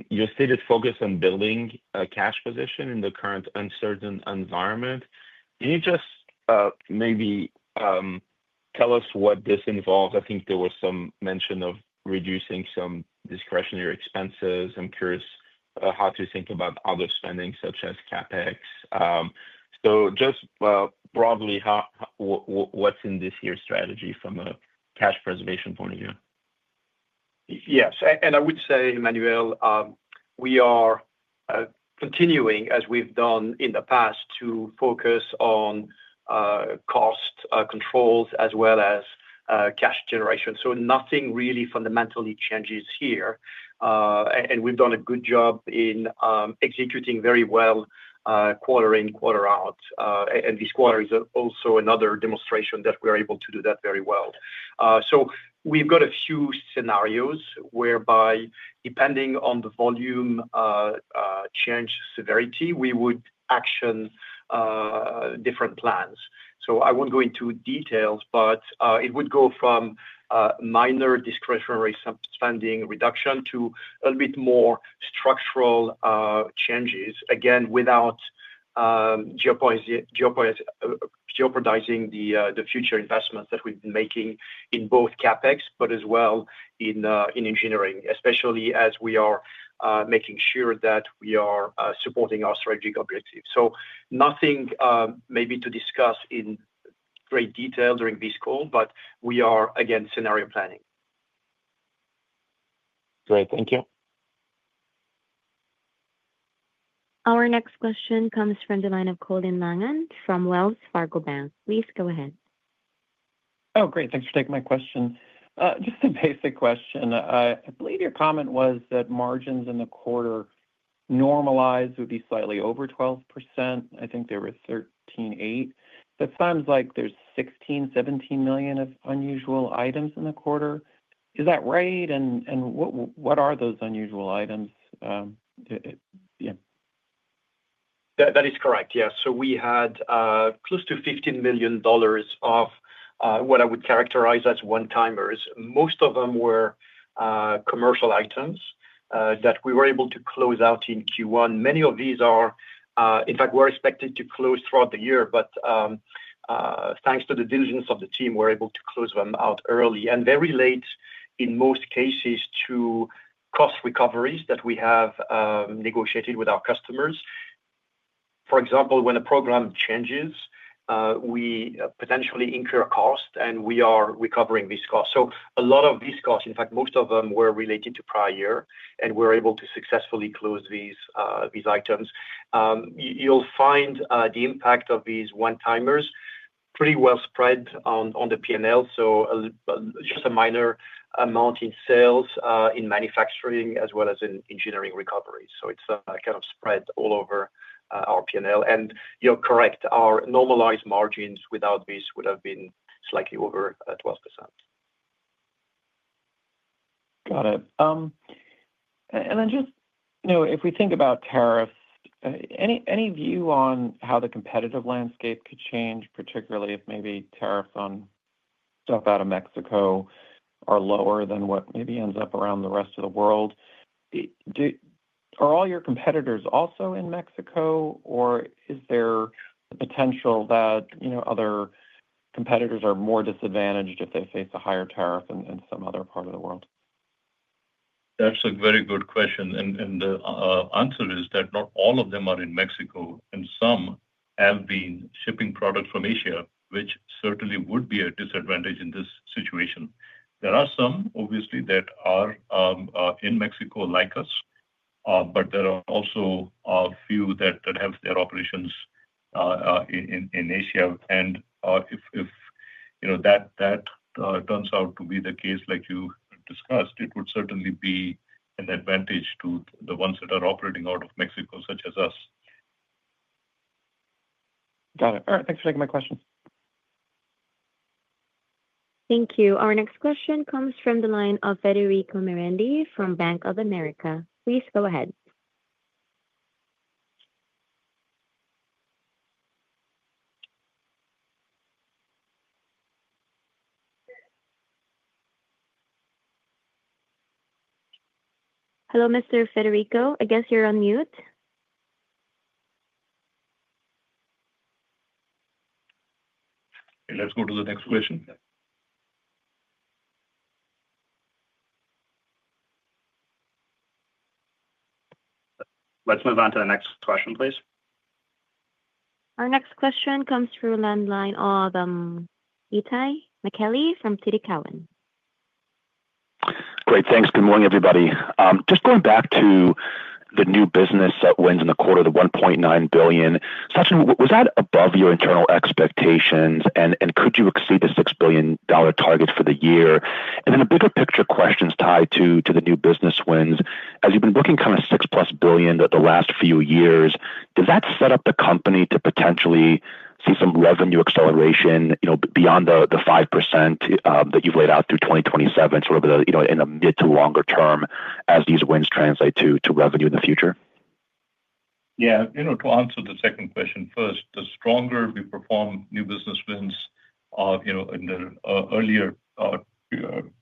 S8: your stated focus on building a cash position in the current uncertain environment. Can you just maybe tell us what this involves? I think there was some mention of reducing some discretionary expenses. I'm curious how to think about other spending such as CapEx. Just broadly, what's in this year's strategy from a cash preservation point of view?
S4: Yes. I would say, Emmanuel, we are continuing, as we've done in the past, to focus on cost controls as well as cash generation. Nothing really fundamentally changes here. We've done a good job in executing very well quarter in, quarter out. This quarter is also another demonstration that we're able to do that very well. We've got a few scenarios whereby, depending on the volume change severity, we would action different plans. I won't go into details, but it would go from minor discretionary spending reduction to a little bit more structural changes, again, without jeopardizing the future investments that we've been making in both CapEx, but as well in engineering, especially as we are making sure that we are supporting our strategic objectives. Nothing maybe to discuss in great detail during this call, but we are, again, scenario planning.
S8: Great. Thank you.
S1: Our next question comes from the line of Colin Langan from Wells Fargo Bank. Please go ahead.
S9: Oh, great. Thanks for taking my question. Just a basic question. I believe your comment was that margins in the quarter normalized would be slightly over 12%. I think they were 13.8%. That sounds like there's $16 million-$17 million of unusual items in the quarter. Is that right? And what are those unusual items? Yeah.
S4: That is correct. Yeah. So we had close to $15 million of what I would characterize as one-timers. Most of them were commercial items that we were able to close out in Q1. Many of these are, in fact, were expected to close throughout the year. Thanks to the diligence of the team, we're able to close them out early and very late in most cases to cost recoveries that we have negotiated with our customers. For example, when a program changes, we potentially incur cost, and we are recovering this cost. A lot of these costs, in fact, most of them were related to prior year, and we were able to successfully close these items. You'll find the impact of these one-timers pretty well spread on the P&L. Just a minor amount in sales, in manufacturing, as well as in engineering recoveries. It's kind of spread all over our P&L. You're correct. Our normalized margins without this would have been slightly over 12%.
S9: Got it. If we think about tariffs, any view on how the competitive landscape could change, particularly if maybe tariffs on stuff out of Mexico are lower than what maybe ends up around the rest of the world? Are all your competitors also in Mexico, or is there the potential that other competitors are more disadvantaged if they face a higher tariff in some other part of the world?
S3: That's a very good question. The answer is that not all of them are in Mexico, and some have been shipping products from Asia, which certainly would be a disadvantage in this situation. There are some, obviously, that are in Mexico like us, but there are also a few that have their operations in Asia. If that turns out to be the case, like you discussed, it would certainly be an advantage to the ones that are operating out of Mexico, such as us.
S9: Got it. All right. Thanks for taking my question.
S1: Thank you. Our next question comes from the line of Federico Morandi from Bank of America. Please go ahead. Hello, Mr. Federico. I guess you're on mute.
S3: Let's go to the next question.
S4: Let's move on to the next question, please.
S1: Our next question comes from line Itay Michaeli from TD Cowen.
S10: Great. Thanks. Good morning, everybody. Just going back to the new business wins in the quarter of the $1.9 billion. Sachin, was that above your internal expectations, and could you exceed the $6 billion target for the year? The bigger picture questions tied to the new business wins. As you've been booking kind of $6+ billion the last few years, does that set up the company to potentially see some revenue acceleration beyond the 5% that you've laid out through 2027, sort of in the mid to longer term as these wins translate to revenue in the future?
S3: Yeah. To answer the second question first, the stronger we perform new business wins in the earlier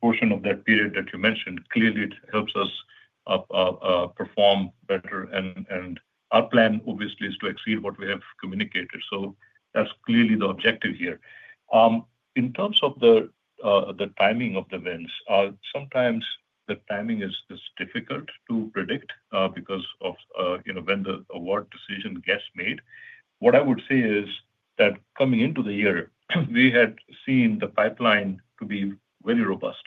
S3: portion of that period that you mentioned, clearly it helps us perform better. Our plan, obviously, is to exceed what we have communicated. That is clearly the objective here. In terms of the timing of the wins, sometimes the timing is difficult to predict because of when the award decision gets made. What I would say is that coming into the year, we had seen the pipeline to be very robust.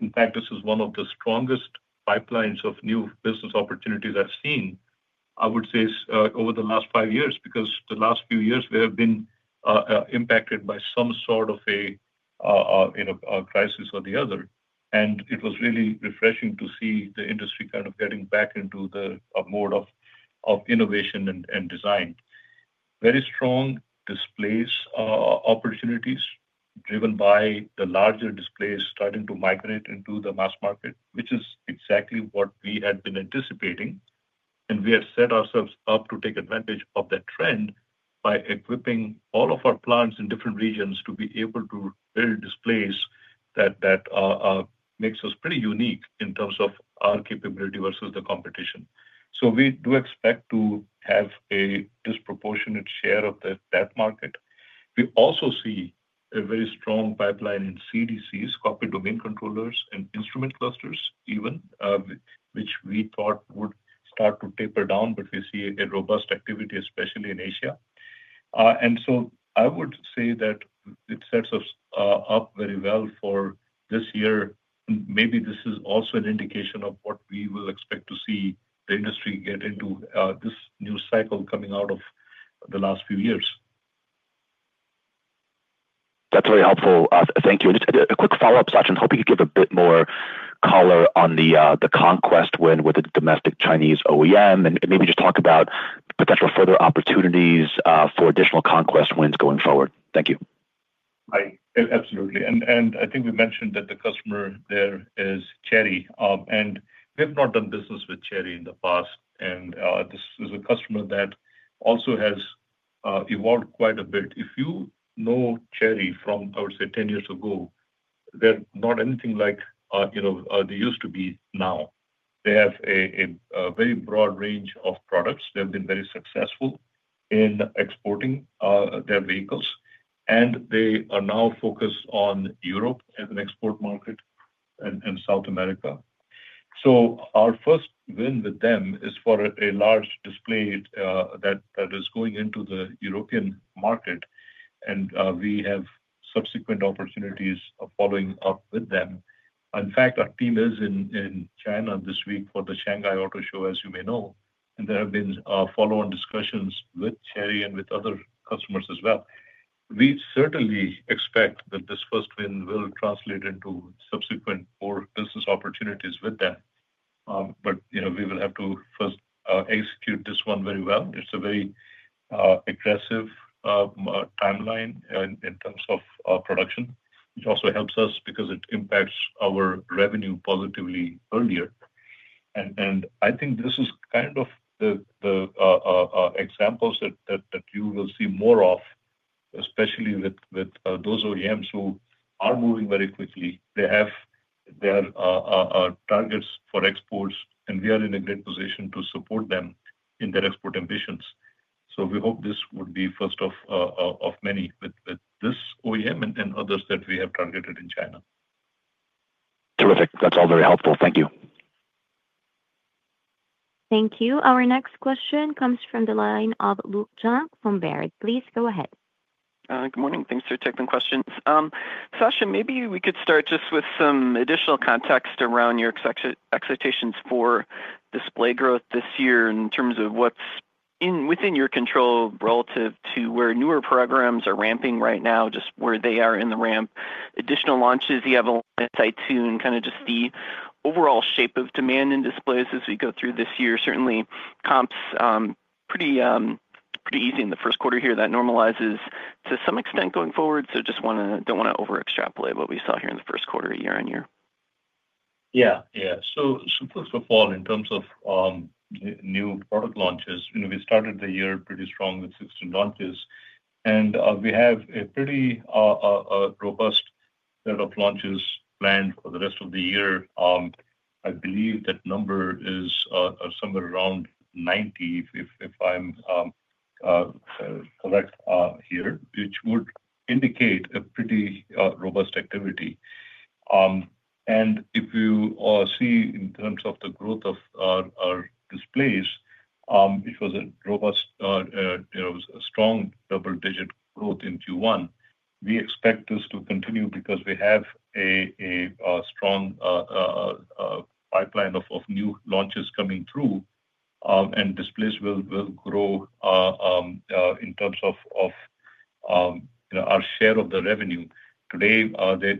S3: In fact, this is one of the strongest pipelines of new business opportunities I have seen, I would say, over the last five years because the last few years we have been impacted by some sort of a crisis or the other. It was really refreshing to see the industry kind of getting back into the mode of innovation and design. Very strong displays, opportunities driven by the larger displays starting to migrate into the mass market, which is exactly what we had been anticipating. We had set ourselves up to take advantage of that trend by equipping all of our plants in different regions to be able to build displays that makes us pretty unique in terms of our capability versus the competition. We do expect to have a disproportionate share of that market. We also see a very strong pipeline in cockpit domain controllers, and instrument clusters even, which we thought would start to taper down, but we see a robust activity, especially in Asia. I would say that it sets us up very well for this year. Maybe this is also an indication of what we will expect to see the industry get into this new cycle coming out of the last few years.
S10: That's really helpful. Thank you. Just a quick follow-up, Sachin, hope you could give a bit more color on the conquest win with the domestic Chinese OEM and maybe just talk about potential further opportunities for additional Conquest wins going forward. Thank you.
S3: Absolutely. I think we mentioned that the customer there is Chery. We have not done business with Chery in the past. This is a customer that also has evolved quite a bit. If you know Chery from, I would say, 10 years ago, they're not anything like they used to be now. They have a very broad range of products. They've been very successful in exporting their vehicles. They are now focused on Europe as an export market and South America. Our first win with them is for a large display that is going into the European market. We have subsequent opportunities of following up with them. In fact, our team is in China this week for the Shanghai Auto Show, as you may know. There have been follow-on discussions with Chery and with other customers as well. We certainly expect that this first win will translate into subsequent more business opportunities with them. We will have to first execute this one very well. It's a very aggressive timeline in terms of production, which also helps us because it impacts our revenue positively earlier. I think this is kind of the examples that you will see more of, especially with those OEMs who are moving very quickly. They have their targets for exports, and we are in a great position to support them in their export ambitions. We hope this would be first of many with this OEM and others that we have targeted in China.
S10: Terrific. That's all very helpful. Thank you.
S1: Thank you. Our next question comes from the line of Luke Junk from Baird. Please go ahead.
S11: Good morning. Thanks for taking the questions. Sachin, maybe we could start just with some additional context around your expectations for display growth this year in terms of what's within your control relative to where newer programs are ramping right now, just where they are in the ramp, additional launches you have on its iTune, kind of just the overall shape of demand in displays as we go through this year. Certainly, comps are pretty easy in the first quarter here. That normalizes to some extent going forward. Just do not want to overextrapolate what we saw here in the first quarter year-on-year.
S3: Yeah. Yeah. First of all, in terms of new product launches, we started the year pretty strong with 16 launches. We have a pretty robust set of launches planned for the rest of the year. I believe that number is somewhere around 90, if I am correct here, which would indicate a pretty robust activity. If you see in terms of the growth of our displays, it was a robust, strong double-digit growth in Q1. We expect this to continue because we have a strong pipeline of new launches coming through, and displays will grow in terms of our share of the revenue. Today,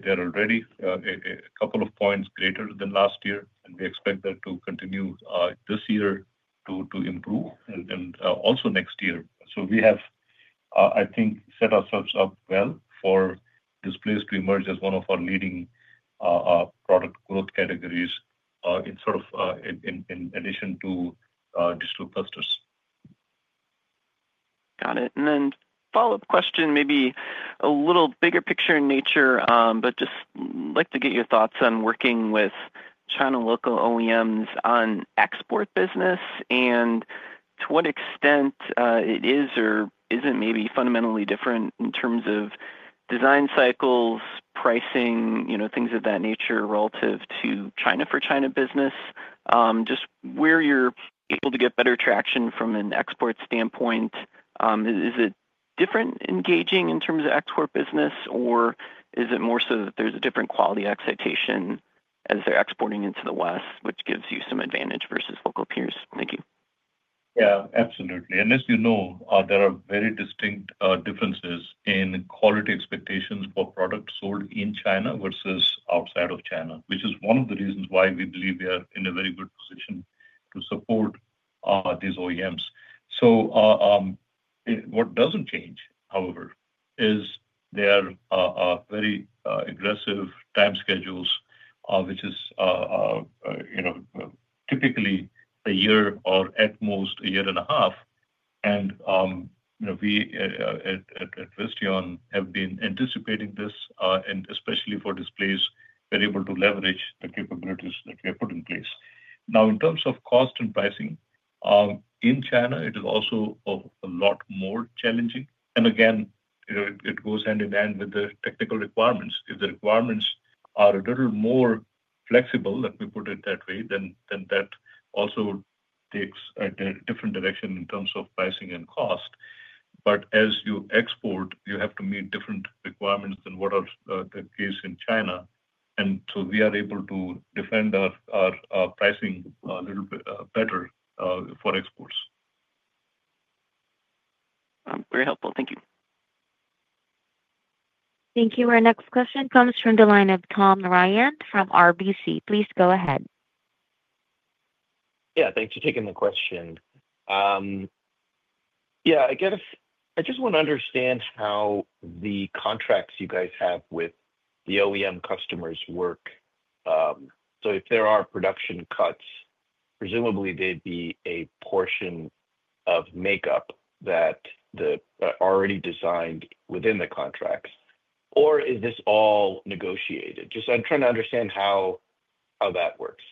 S3: they're already a couple of points greater than last year, and we expect that to continue this year to improve and also next year. We have, I think, set ourselves up well for displays to emerge as one of our leading product growth categories in sort of in addition to digital clusters.
S11: Got it. Then follow-up question, maybe a little bigger picture in nature, but just like to get your thoughts on working with China local OEMs on export business and to what extent it is or isn't maybe fundamentally different in terms of design cycles, pricing, things of that nature relative to China for China business? Just where you're able to get better traction from an export standpoint, is it different engaging in terms of export business, or is it more so that there's a different quality expectation as they're exporting into the West, which gives you some advantage versus local peers? Thank you.
S3: Yeah. Absolutely. And as you know, there are very distinct differences in quality expectations for products sold in China versus outside of China, which is one of the reasons why we believe we are in a very good position to support these OEMs. What doesn't change, however, is their very aggressive time schedules, which is typically a year or at most a year and a half. We at Visteon have been anticipating this, and especially for displays, we're able to leverage the capabilities that we have put in place. Now, in terms of cost and pricing, in China, it is also a lot more challenging. Again, it goes hand in hand with the technical requirements. If the requirements are a little more flexible, let me put it that way, then that also takes a different direction in terms of pricing and cost. As you export, you have to meet different requirements than what are the case in China. We are able to defend our pricing a little bit better for exports.
S11: Very helpful. Thank you.
S1: Thank you. Our next question comes from the line of Tom Narayan from RBC. Please go ahead.
S12: Yeah. Thanks for taking the question. Yeah. I guess I just want to understand how the contracts you guys have with the OEM customers work. If there are production cuts, presumably there'd be a portion of makeup that is already designed within the contracts, or is this all negotiated? I'm trying to understand how that works.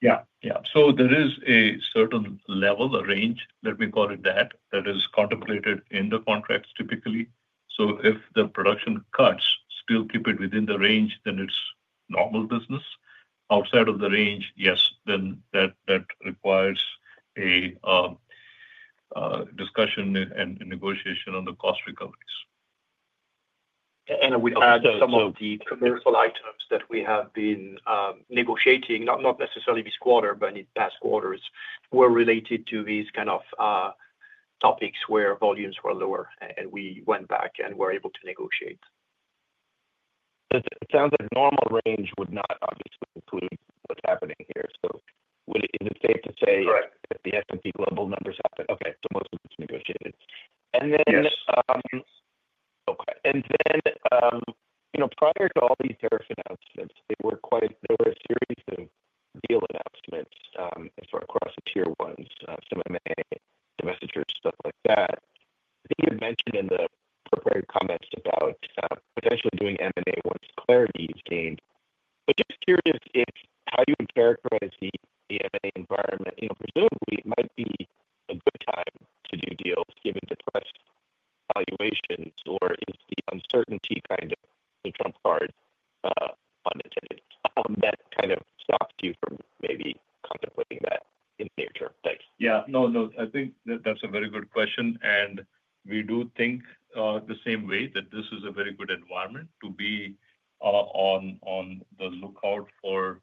S3: Yeah. There is a certain level, a range, let me call it that, that is contemplated in the contracts typically. If the production cuts still keep it within the range, then it's normal business. Outside of the range, yes, that requires a discussion and negotiation on the cost recoveries.
S4: We also have some of the commercial items that we have been negotiating, not necessarily this quarter, but in past quarters, related to these kind of topics where volumes were lower, and we went back and were able to negotiate.
S12: It sounds like normal range would not obviously include what's happening here. Is it safe to say that the SMP global numbers happened? Okay. Most of it is negotiated. Prior to all these tariff announcements, there were a series of deal announcements across the tier ones, some M&A, stuff like that. I think you had mentioned in the prepared comments about potentially doing M&A once clarity is gained. Just curious how you would characterize the M&A environment. Presumably, it might be a good time to do deals given the press valuations, or is the uncertainty kind of the jump card, unintended, that kind of stops you from maybe contemplating that in the near term? Thanks.
S3: Yeah. No, no. I think that is a very good question. We do think the same way that this is a very good environment to be on the lookout for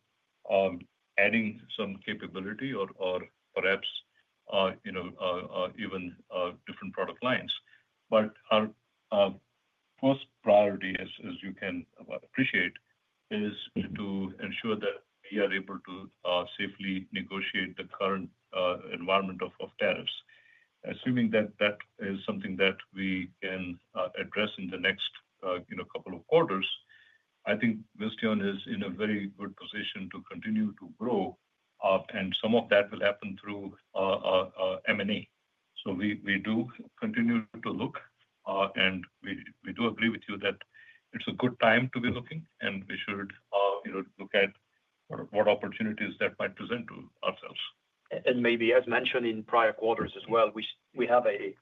S3: adding some capability or perhaps even different product lines. Our first priority, as you can appreciate, is to ensure that we are able to safely negotiate the current environment of tariffs. Assuming that that is something that we can address in the next couple of quarters, I think Visteon is in a very good position to continue to grow. Some of that will happen through M&A. We do continue to look, and we do agree with you that it's a good time to be looking, and we should look at what opportunities that might present to ourselves.
S4: Maybe, as mentioned in prior quarters as well, we have a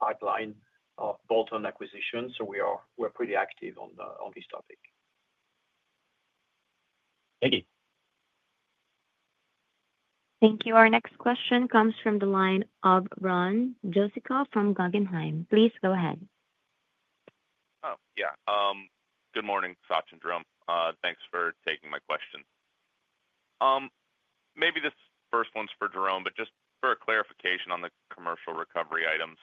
S4: pipeline of bolt-on acquisitions. We're pretty active on this topic.
S12: Thank you.
S1: Thank you. Our next question comes from the line of Ron Jewsikow from Guggenheim. Please go ahead.
S13: Oh, yeah. Good morning, Sachin, Jerome. Thanks for taking my question. Maybe this first one's for Jerome, but just for a clarification on the commercial recovery items,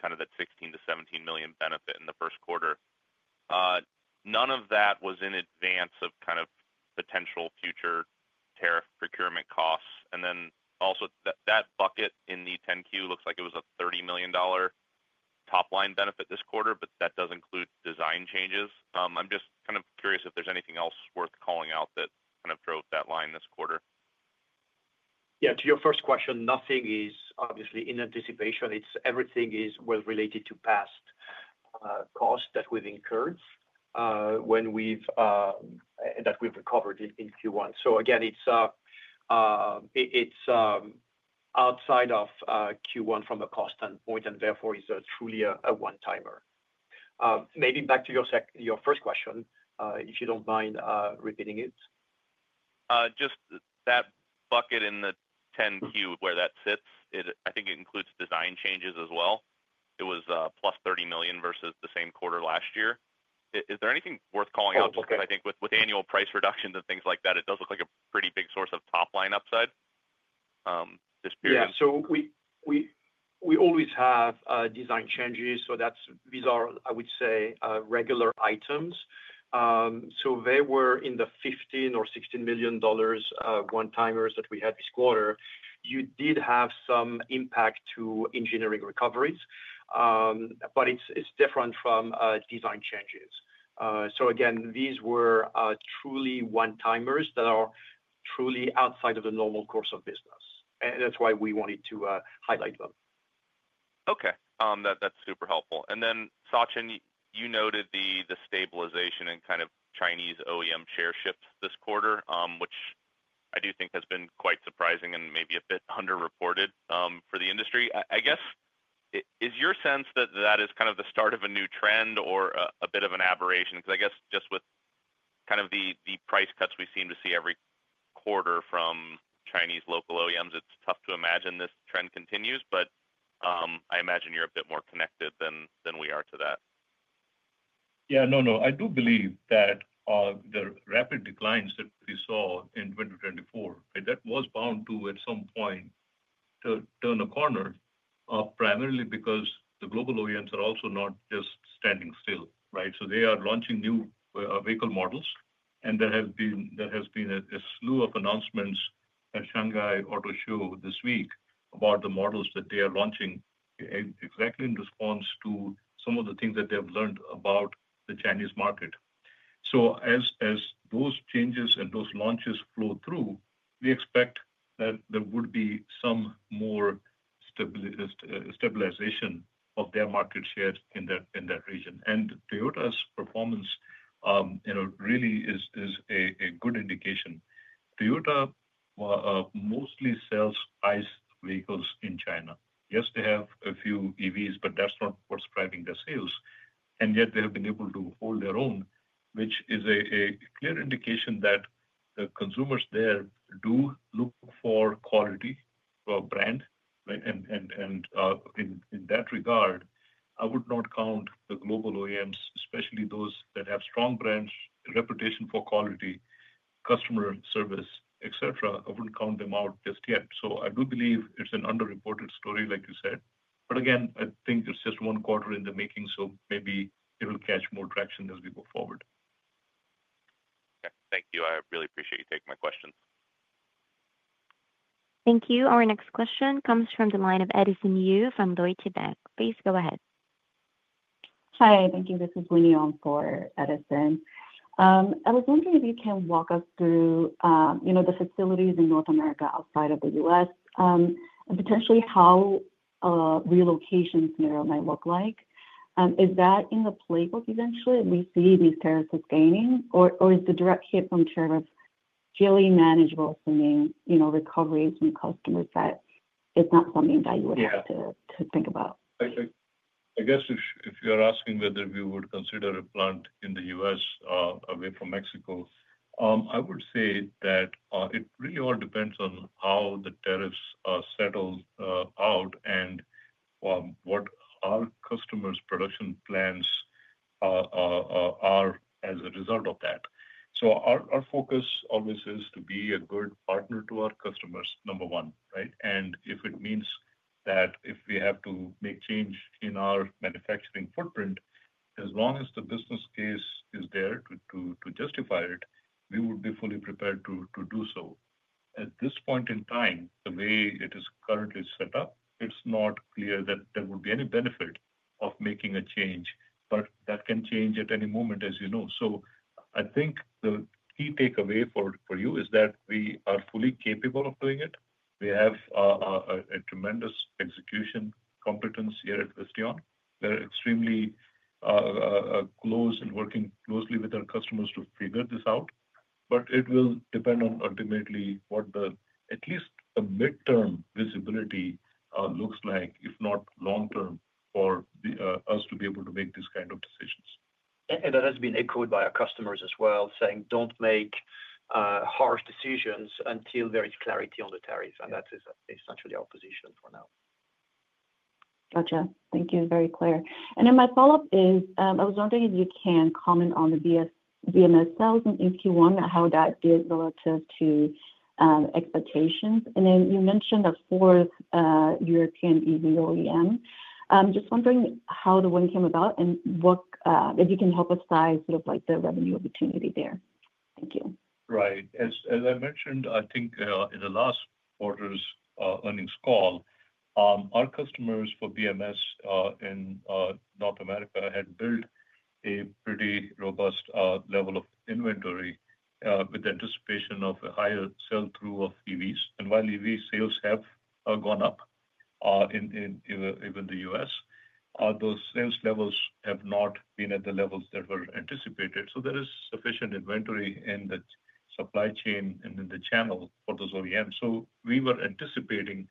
S13: kind of that $16 million-$17 million benefit in the first quarter. None of that was in advance of kind of potential future tariff procurement costs. Also, that bucket in the 10-Q looks like it was a $30 million top-line benefit this quarter, but that does include design changes. I'm just kind of curious if there's anything else worth calling out that kind of drove that line this quarter?
S4: Yeah. To your first question, nothing is obviously in anticipation. Everything is well related to past costs that we've incurred when we've recovered in Q1. Again, it's outside of Q1 from a cost standpoint, and therefore it's truly a one-timer. Maybe back to your first question, if you don't mind repeating it.
S13: Just that bucket in the 10-Q, where that sits, I think it includes design changes as well. It was +$30 million versus the same quarter last year. Is there anything worth calling out? Because I think with annual price reductions and things like that, it does look like a pretty big source of top-line upside this period.
S4: Yeah. We always have design changes. These are, I would say, regular items. They were in the $15 million or $16 million one-timers that we had this quarter. You did have some impact to engineering recoveries, but it is different from design changes. Again, these were truly one-timers that are truly outside of the normal course of business. That is why we wanted to highlight them.
S13: Okay. That is super helpful. Sachin, you noted the stabilization in kind of Chinese OEM share shifts this quarter, which I do think has been quite surprising and maybe a bit underreported for the industry. I guess, is your sense that that is kind of the start of a new trend or a bit of an aberration? Because I guess just with kind of the price cuts we seem to see every quarter from Chinese local OEMs, it's tough to imagine this trend continues, but I imagine you're a bit more connected than we are to that.
S3: Yeah. No, no. I do believe that the rapid declines that we saw in 2024, that was bound to, at some point, turn a corner primarily because the global OEMs are also not just standing still, right? They are launching new vehicle models, and there has been a slew of announcements at Shanghai Auto Show this week about the models that they are launching exactly in response to some of the things that they have learned about the Chinese market. As those changes and those launches flow through, we expect that there would be some more stabilization of their market share in that region. Toyota's performance really is a good indication. Toyota mostly sells ICE vehicles in China. Yes, they have a few EVs, but that's not what's driving their sales. Yet, they have been able to hold their own, which is a clear indication that the consumers there do look for quality for a brand. In that regard, I would not count the global OEMs, especially those that have strong brands, reputation for quality, customer service, etc. I wouldn't count them out just yet. I do believe it's an underreported story, like you said. I think it's just one quarter in the making, so maybe it will catch more traction as we go forward.
S13: Okay. Thank you. I really appreciate you taking my questions.
S1: Thank you. Our next question comes from the line of Edison Yu from Deutsche Bank. Please go ahead. Hi. Thank you. This is Leeny on for Edison. I was wondering if you can walk us through the facilities in North America outside of the U.S. and potentially how relocation scenario might look like. Is that in the playbook eventually? We see these tariffs gaining, or is the direct hit from tariffs fairly manageable for recoveries from customers that it's not something that you would have to think about?
S3: I guess if you're asking whether we would consider a plant in the U.S. away from Mexico, I would say that it really all depends on how the tariffs settle out and what our customers' production plans are as a result of that. Our focus always is to be a good partner to our customers, number one, right? If it means that if we have to make change in our manufacturing footprint, as long as the business case is there to justify it, we would be fully prepared to do so. At this point in time, the way it is currently set up, it's not clear that there would be any benefit of making a change, but that can change at any moment, you know. I think the key takeaway for you is that we are fully capable of doing it. We have a tremendous execution competence here at Visteon. We're extremely close and working closely with our customers to figure this out. It will depend on ultimately what at least the midterm visibility looks like, if not long-term, for us to be able to make these kind of decisions.
S4: That has been echoed by our customers as well, saying, "Don't make harsh decisions until there is clarity on the tariff." That is essentially our position for now. Gotcha. Thank you. Very clear. My follow-up is, I was wondering if you can comment on the BMS sales in Q1 and how that is relative to expectations. You mentioned a fourth European EV OEM. I'm just wondering how the one came about and if you can help us size sort of the revenue opportunity there. Thank you.
S3: Right. As I mentioned, I think in the last quarter's earnings call, our customers for BMS in North America had built a pretty robust level of inventory with the anticipation of a higher sell-through of EVs. While EV sales have gone up in the U.S., those sales levels have not been at the levels that were anticipated. There is sufficient inventory in the supply chain and in the channel for those OEMs. We were anticipating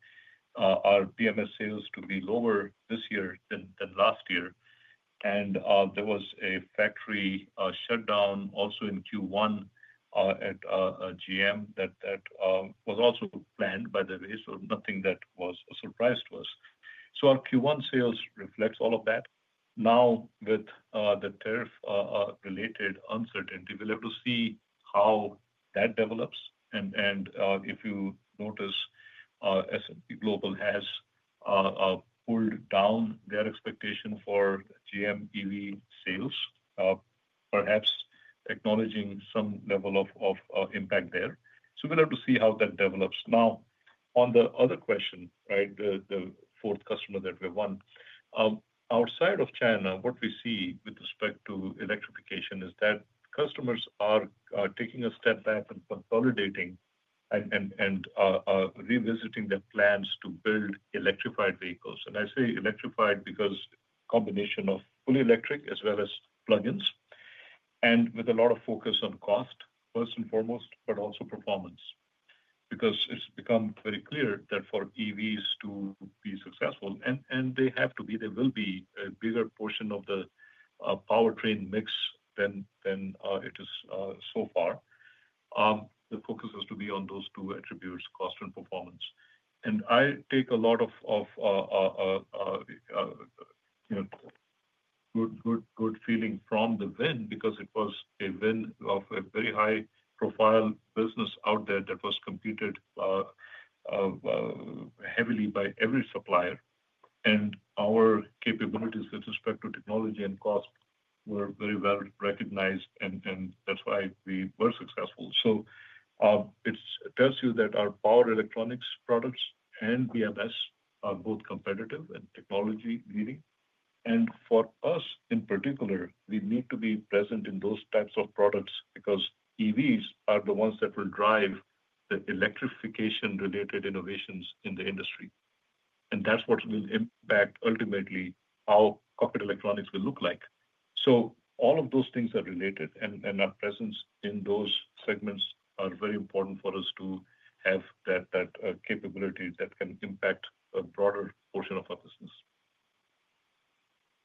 S3: our BMS sales to be lower this year than last year. There was a factory shutdown also in Q1 at GM that was also planned, by the way. Nothing that was a surprise to us. Our Q1 sales reflects all of that. Now, with the tariff-related uncertainty, we'll have to see how that develops. If you notice, S&P Global has pulled down their expectation for GM EV sales, perhaps acknowledging some level of impact there. We will have to see how that develops. Now, on the other question, the fourth customer that we won, outside of China, what we see with respect to electrification is that customers are taking a step back and consolidating and revisiting their plans to build electrified vehicles. I say electrified because a combination of fully electric as well as plug-ins. With a lot of focus on cost, first and foremost, but also performance. It has become very clear that for EVs to be successful, and they have to be, there will be a bigger portion of the powertrain mix than it is so far. The focus has to be on those two attributes: cost and performance. I take a lot of good feeling from the win because it was a win of a very high-profile business out there that was competed heavily by every supplier. Our capabilities with respect to technology and cost were very well recognized, and that's why we were successful. It tells you that our power electronics products and BMS are both competitive and technology-leading. For us in particular, we need to be present in those types of products because EVs are the ones that will drive the electrification-related innovations in the industry. That is what will impact ultimately how corporate electronics will look like. All of those things are related, and our presence in those segments is very important for us to have that capability that can impact a broader portion of our business.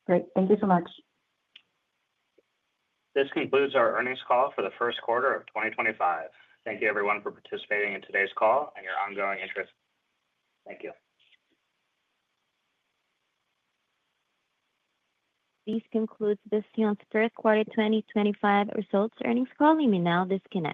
S3: Great. Thank you so much.
S2: This concludes our Earnings Call for the First Quarter of 2025. Thank you, everyone, for participating in today's call and your ongoing interest. Thank you.
S1: This concludes Visteon's third quarter 2025 results earnings call. Let me know if this can.